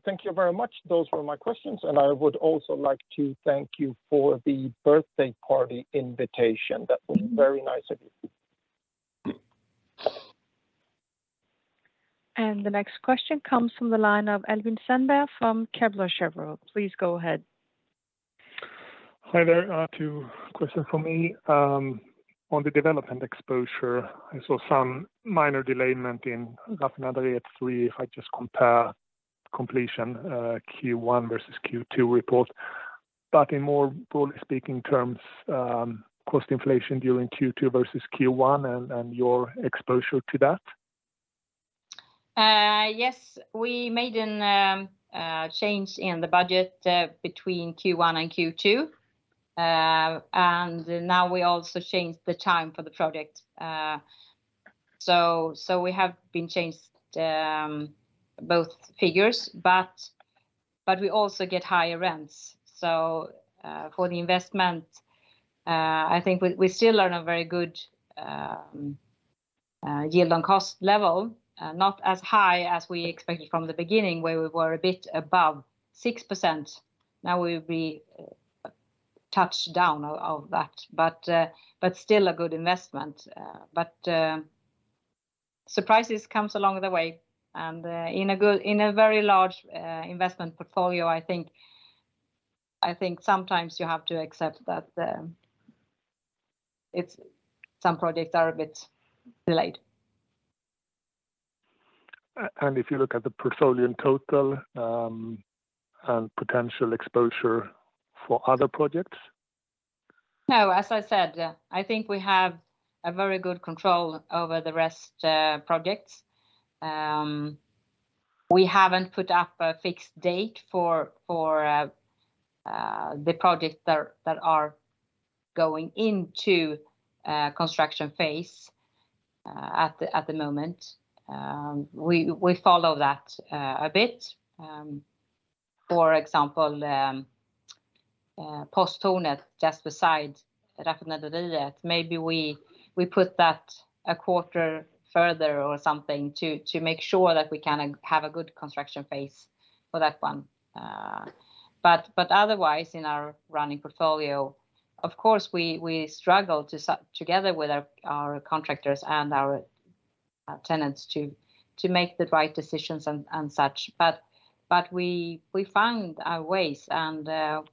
[SPEAKER 7] Thank you very much. Those were my questions, and I would also like to thank you for the birthday party invitation. That was very nice of you.
[SPEAKER 1] The next question comes from the line of Albin Sandberg from Kepler Cheuvreux. Please go ahead.
[SPEAKER 8] Hi there. Two questions from me. On the development exposure, I saw some minor delay in Raffinaderiet at three if I just compare completion, Q1 versus Q2 report. In more broadly speaking terms, cost inflation during Q2 versus Q1 and your exposure to that.
[SPEAKER 2] Yes, we made a change in the budget between Q1 and Q2. Now we also changed the time for the project. So we have been changed both figures, but we also get higher rents. For the investment, I think we still are on a very good yield on cost level. Not as high as we expected from the beginning, where we were a bit above 6%. Now we'll be touched down of that. Still a good investment. Surprises comes along the way. In a very large investment portfolio I think sometimes you have to accept that. Some projects are a bit delayed.
[SPEAKER 8] If you look at the portfolio in total, and potential exposure for other projects.
[SPEAKER 2] No. As I said, I think we have a very good control over the rest projects. We haven't put up a fixed date for the projects that are going into construction phase at the moment. We follow that a bit. For example, Posttornet just beside Raffinaderiet, maybe we put that a quarter further or something to make sure that we can have a good construction phase for that one. Otherwise in our running portfolio, of course, we struggle together with our contractors and our tenants to make the right decisions and such. We find our ways and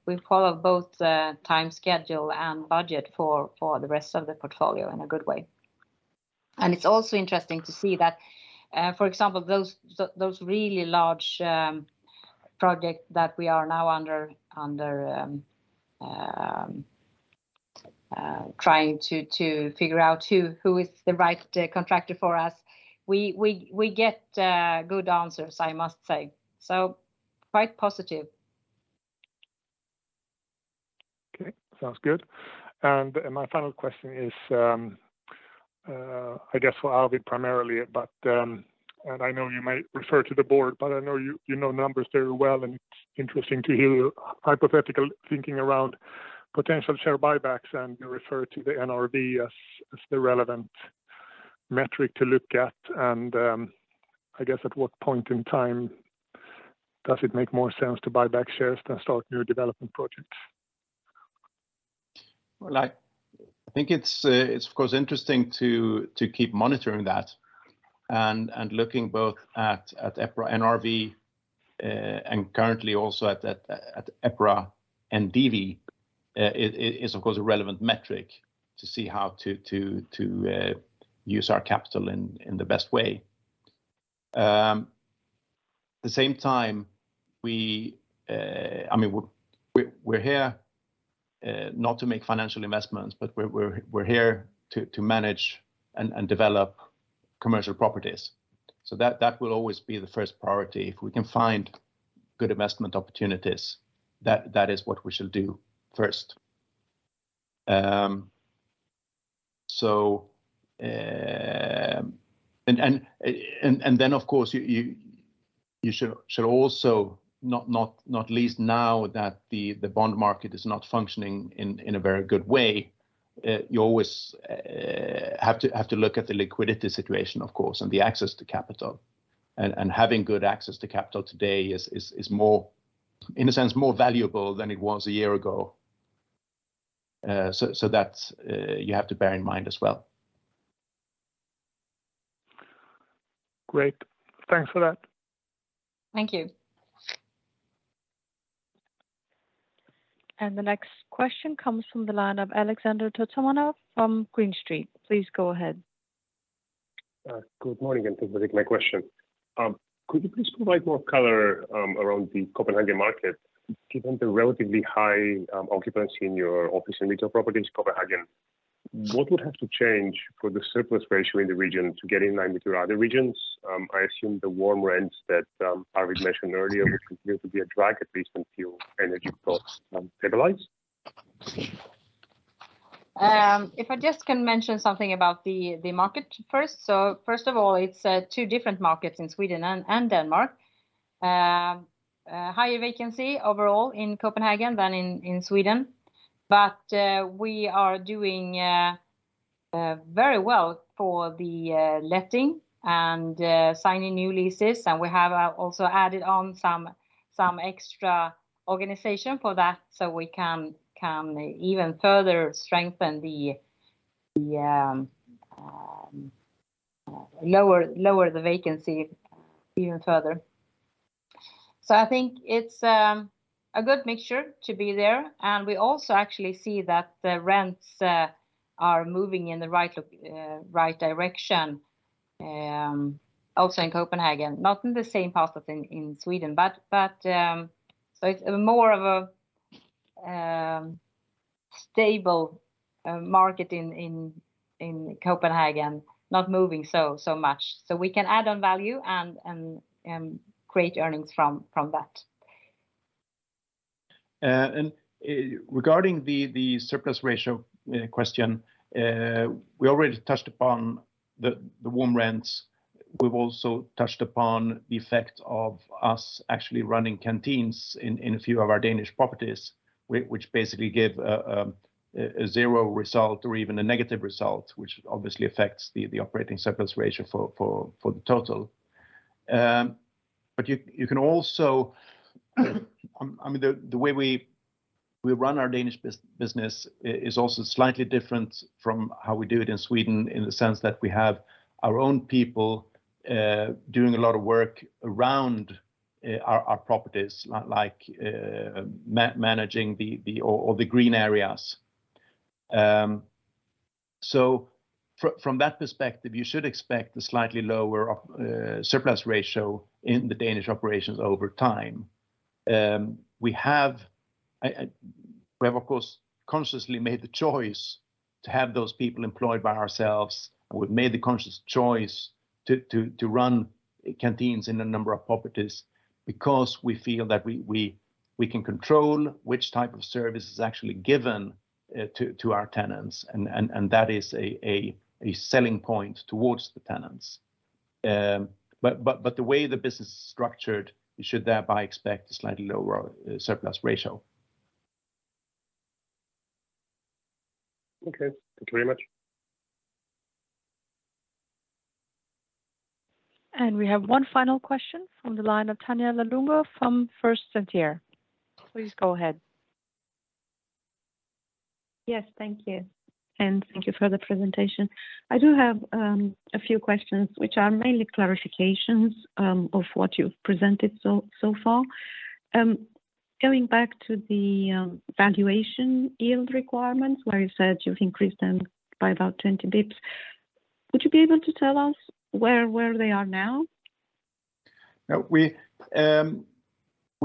[SPEAKER 2] we follow both the time schedule and budget for the rest of the portfolio in a good way. It's also interesting to see that, for example, those really large project that we are now trying to figure out who is the right contractor for us, we get good answers, I must say. Quite positive.
[SPEAKER 8] Okay. Sounds good. My final question is, I guess for Arvid primarily, but, and I know you might refer to the board, but I know you know numbers very well, and it's interesting to hear your hypothetical thinking around potential share buybacks, and you refer to the NRV as the relevant metric to look at. I guess at what point in time does it make more sense to buy back shares than start new development projects?
[SPEAKER 3] Well, I think it's of course interesting to keep monitoring that and looking both at EPRA NRV and currently also at EPRA NDV is of course a relevant metric to see how to use our capital in the best way. At the same time, I mean, we're here not to make financial investments, but we're here to manage and develop commercial properties. That will always be the first priority. If we can find good investment opportunities, that is what we shall do first. Of course, you should also not least now that the bond market is not functioning in a very good way. You always have to look at the liquidity situation, of course, and the access to capital. Having good access to capital today is more, in a sense, more valuable than it was a year ago. That's you have to bear in mind as well.
[SPEAKER 8] Great. Thanks for that.
[SPEAKER 2] Thank you.
[SPEAKER 1] The next question comes from the line of Alexander Totomanov from Green Street. Please go ahead.
[SPEAKER 9] Good morning and thank you for taking my question. Could you please provide more color around the Copenhagen market, given the relatively high occupancy in your office and retail properties in Copenhagen? What would have to change for the surplus ratio in the region to get in line with your other regions? I assume the warm rent that Arvid mentioned earlier would continue to be a drag at least until energy costs stabilize.
[SPEAKER 2] If I just can mention something about the market first. First of all, it's two different markets in Sweden and Denmark. Higher vacancy overall in Copenhagen than in Sweden. We are doing very well for the letting and signing new leases. We have also added on some extra organization for that so we can even further strengthen to lower the vacancy even further. I think it's a good mixture to be there. We also actually see that the rents are moving in the right direction also in Copenhagen. Not in the same path as in Sweden, but it's more of a stable market in Copenhagen, not moving so much. We can add on value and create earnings from that.
[SPEAKER 3] Regarding the surplus ratio, we already touched upon the warm rent. We've also touched upon the effect of us actually running canteens in a few of our Danish properties, which basically give a zero result or even a negative result, which obviously affects the operating surplus ratio for the total. You can also. I mean, the way we run our Danish business is also slightly different from how we do it in Sweden, in the sense that we have our own people doing a lot of work around our properties, like managing the or the green areas. From that perspective, you should expect a slightly lower surplus ratio in the Danish operations over time. We have of course consciously made the choice to have those people employed by ourselves, and we've made the conscious choice to run canteens in a number of properties because we feel that we can control which type of service is actually given to our tenants and that is a selling point towards the tenants. The way the business is structured, you should thereby expect a slightly lower surplus ratio.
[SPEAKER 9] Okay. Thank you very much.
[SPEAKER 1] We have one final question from the line of Tanya Lilonga from First Sentier. Please go ahead.
[SPEAKER 10] Yes. Thank you, and thank you for the presentation. I do have a few questions which are mainly clarifications of what you've presented so far. Going back to the valuation yield requirements where you said you've increased them by about 20 basis points. Would you be able to tell us where they are now?
[SPEAKER 3] Yeah.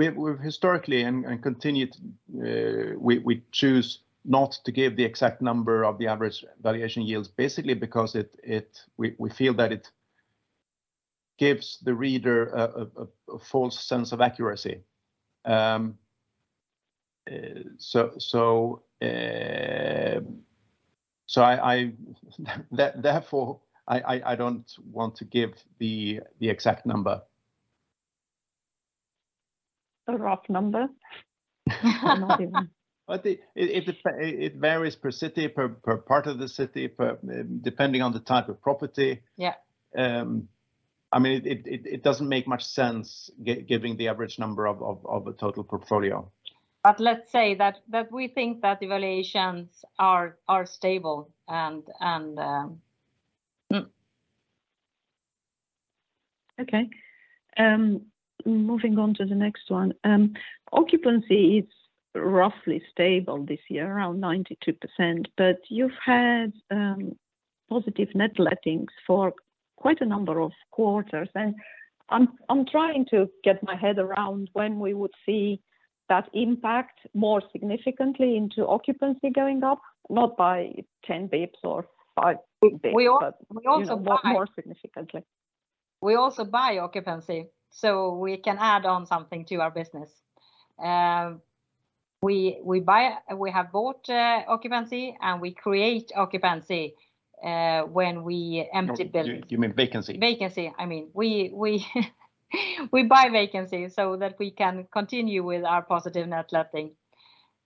[SPEAKER 3] We've historically and continue to choose not to give the exact number of the average valuation yields, basically because we feel that it gives the reader a false sense of accuracy. I don't want to give the exact number.
[SPEAKER 10] A rough number? Or not even.
[SPEAKER 3] It varies per city, per part of the city, depending on the type of property.
[SPEAKER 10] Yeah.
[SPEAKER 3] I mean, it doesn't make much sense giving the average number of a total portfolio.
[SPEAKER 2] Let's say that we think that the valuations are stable and.
[SPEAKER 10] Okay. Moving on to the next one. Occupancy is roughly stable this year, around 92%, but you've had positive net lettings for quite a number of quarters. I'm trying to get my head around when we would see that impact more significantly into occupancy going up, not by ten basis points or five basis points, but.
[SPEAKER 2] We also buy.
[SPEAKER 10] you know, more significantly.
[SPEAKER 2] We also buy occupancy, so we can add on something to our business. We have bought occupancy, and we create occupancy when we empty buildings.
[SPEAKER 3] No. You mean vacancy.
[SPEAKER 2] Vacancy. I mean, we buy vacancy so that we can continue with our positive net letting.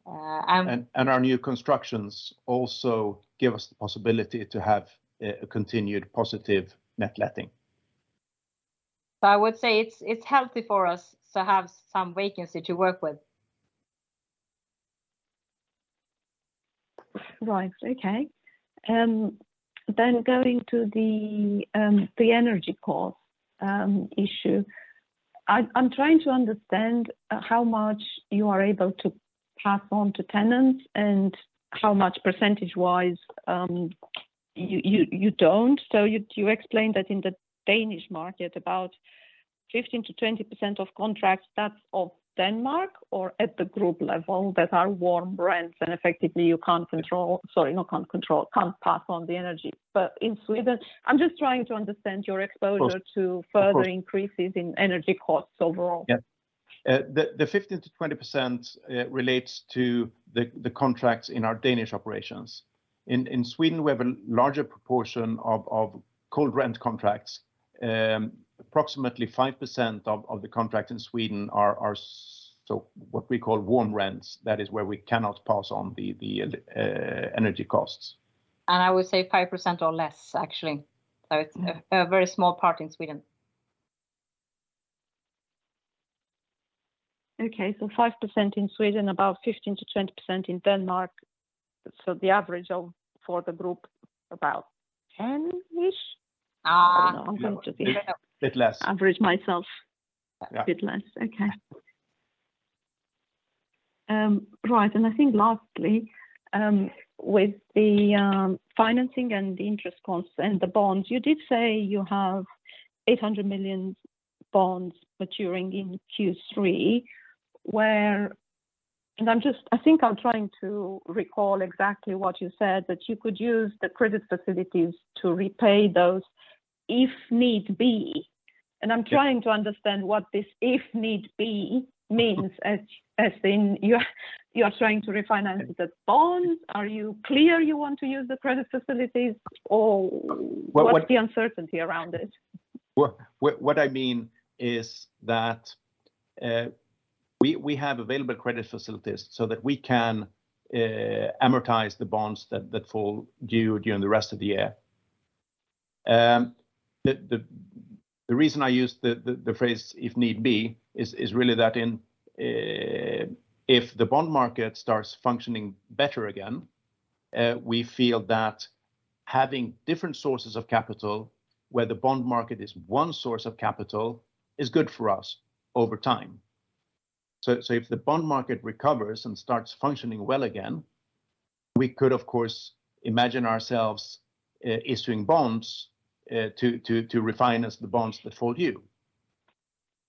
[SPEAKER 3] Our new constructions also give us the possibility to have a continued positive net letting.
[SPEAKER 2] I would say it's healthy for us to have some vacancy to work with.
[SPEAKER 10] Right. Okay. Going to the energy cost issue. I'm trying to understand how much you are able to pass on to tenants and how much percentage-wise you don't. You explained that in the Danish market, about 15%-20% of contracts, that's of Denmark or at the group level, that are warm rent and effectively you can't control. Sorry, not can't control, can't pass on the energy. In Sweden, I'm just trying to understand your exposure.
[SPEAKER 3] Of course.
[SPEAKER 10] to further increases in energy costs overall.
[SPEAKER 3] Yeah, the 15%-20% relates to the contracts in our Danish operations. In Sweden, we have a larger proportion of cold rent contracts. Approximately 5% of the contracts in Sweden are so what we call warm rent. That is where we cannot pass on the energy costs.
[SPEAKER 2] I would say 5% or less, actually. It's a very small part in Sweden.
[SPEAKER 10] Okay. 5% in Sweden, about 15%-20% in Denmark. The average for the group, about 10-ish%?
[SPEAKER 2] Uh.
[SPEAKER 3] No.
[SPEAKER 10] I'm going to be-
[SPEAKER 3] Bit less.
[SPEAKER 10] average myself.
[SPEAKER 3] Yeah.
[SPEAKER 10] A bit less. Okay. Right. I think lastly, with the financing and the interest costs and the bonds, you did say you have 800 million bonds maturing in Q3. I think I'm trying to recall exactly what you said, that you could use the credit facilities to repay those if need be.
[SPEAKER 3] Yeah.
[SPEAKER 10] I'm trying to understand what this if need be means. As in you are trying to refinance the bonds? Are you clear you want to use the credit facilities or-
[SPEAKER 3] Well.
[SPEAKER 10] What's the uncertainty around it?
[SPEAKER 3] What I mean is that we have available credit facilities so that we can amortize the bonds that fall due during the rest of the year. The reason I use the phrase if need be is really that if the bond market starts functioning better again, we feel that having different sources of capital, where the bond market is one source of capital, is good for us over time. If the bond market recovers and starts functioning well again, we could, of course, imagine ourselves issuing bonds to refinance the bonds that fall due.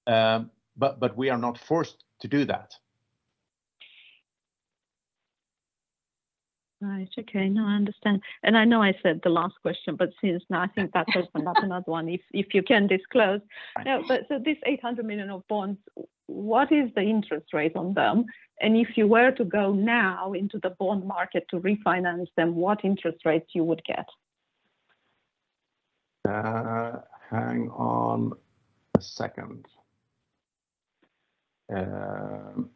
[SPEAKER 3] We are not forced to do that.
[SPEAKER 10] Right. Okay. No, I understand. I know I said the last question, but since now I think that opens up another one if you can disclose.
[SPEAKER 3] Right.
[SPEAKER 10] No, this 800 million of bonds, what is the interest rate on them? If you were to go now into the bond market to refinance them, what interest rates you would get?
[SPEAKER 3] Hang on a second. It's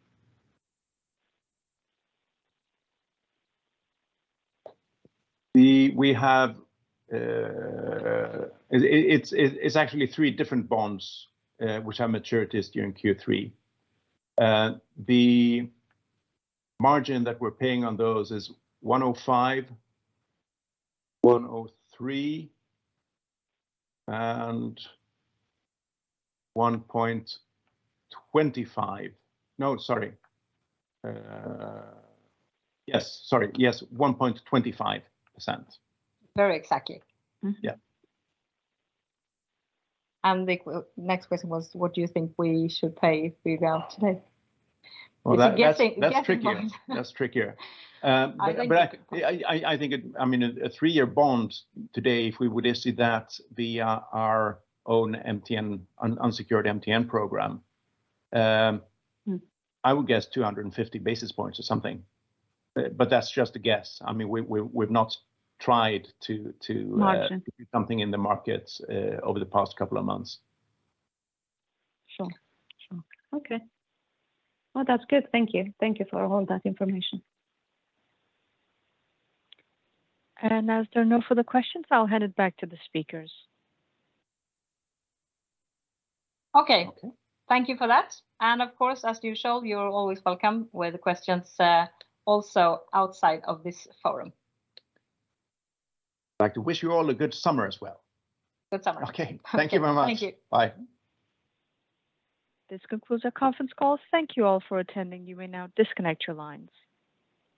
[SPEAKER 3] actually three different bonds which have maturities during Q3. The margin that we're paying on those is 105%, 103%, and 1.25%.
[SPEAKER 10] Very exactly. Mm-hmm.
[SPEAKER 3] Yeah.
[SPEAKER 10] The next question was, what do you think we should pay if we go today?
[SPEAKER 3] Well, that-
[SPEAKER 10] It's a guessing one.
[SPEAKER 3] That's trickier.
[SPEAKER 10] I think-
[SPEAKER 3] I think, I mean, a three-year bond today, if we would issue that via our own MTN, unsecured MTN program.
[SPEAKER 10] Mm-hmm
[SPEAKER 3] I would guess 250 basis points or something. That's just a guess. I mean, we've not tried to,
[SPEAKER 10] Margin
[SPEAKER 3] Do something in the markets, over the past couple of months.
[SPEAKER 10] Sure. Okay. Well, that's good. Thank you for all that information. As there are no further questions, I'll hand it back to the speakers.
[SPEAKER 2] Okay.
[SPEAKER 10] Okay.
[SPEAKER 2] Thank you for that. Of course, as usual, you're always welcome with questions, also outside of this forum.
[SPEAKER 3] I'd like to wish you all a good summer as well.
[SPEAKER 2] Good summer.
[SPEAKER 3] Okay. Thank you very much.
[SPEAKER 2] Thank you.
[SPEAKER 3] Bye.
[SPEAKER 1] This concludes our conference call. Thank you all for attending. You may now disconnect your lines.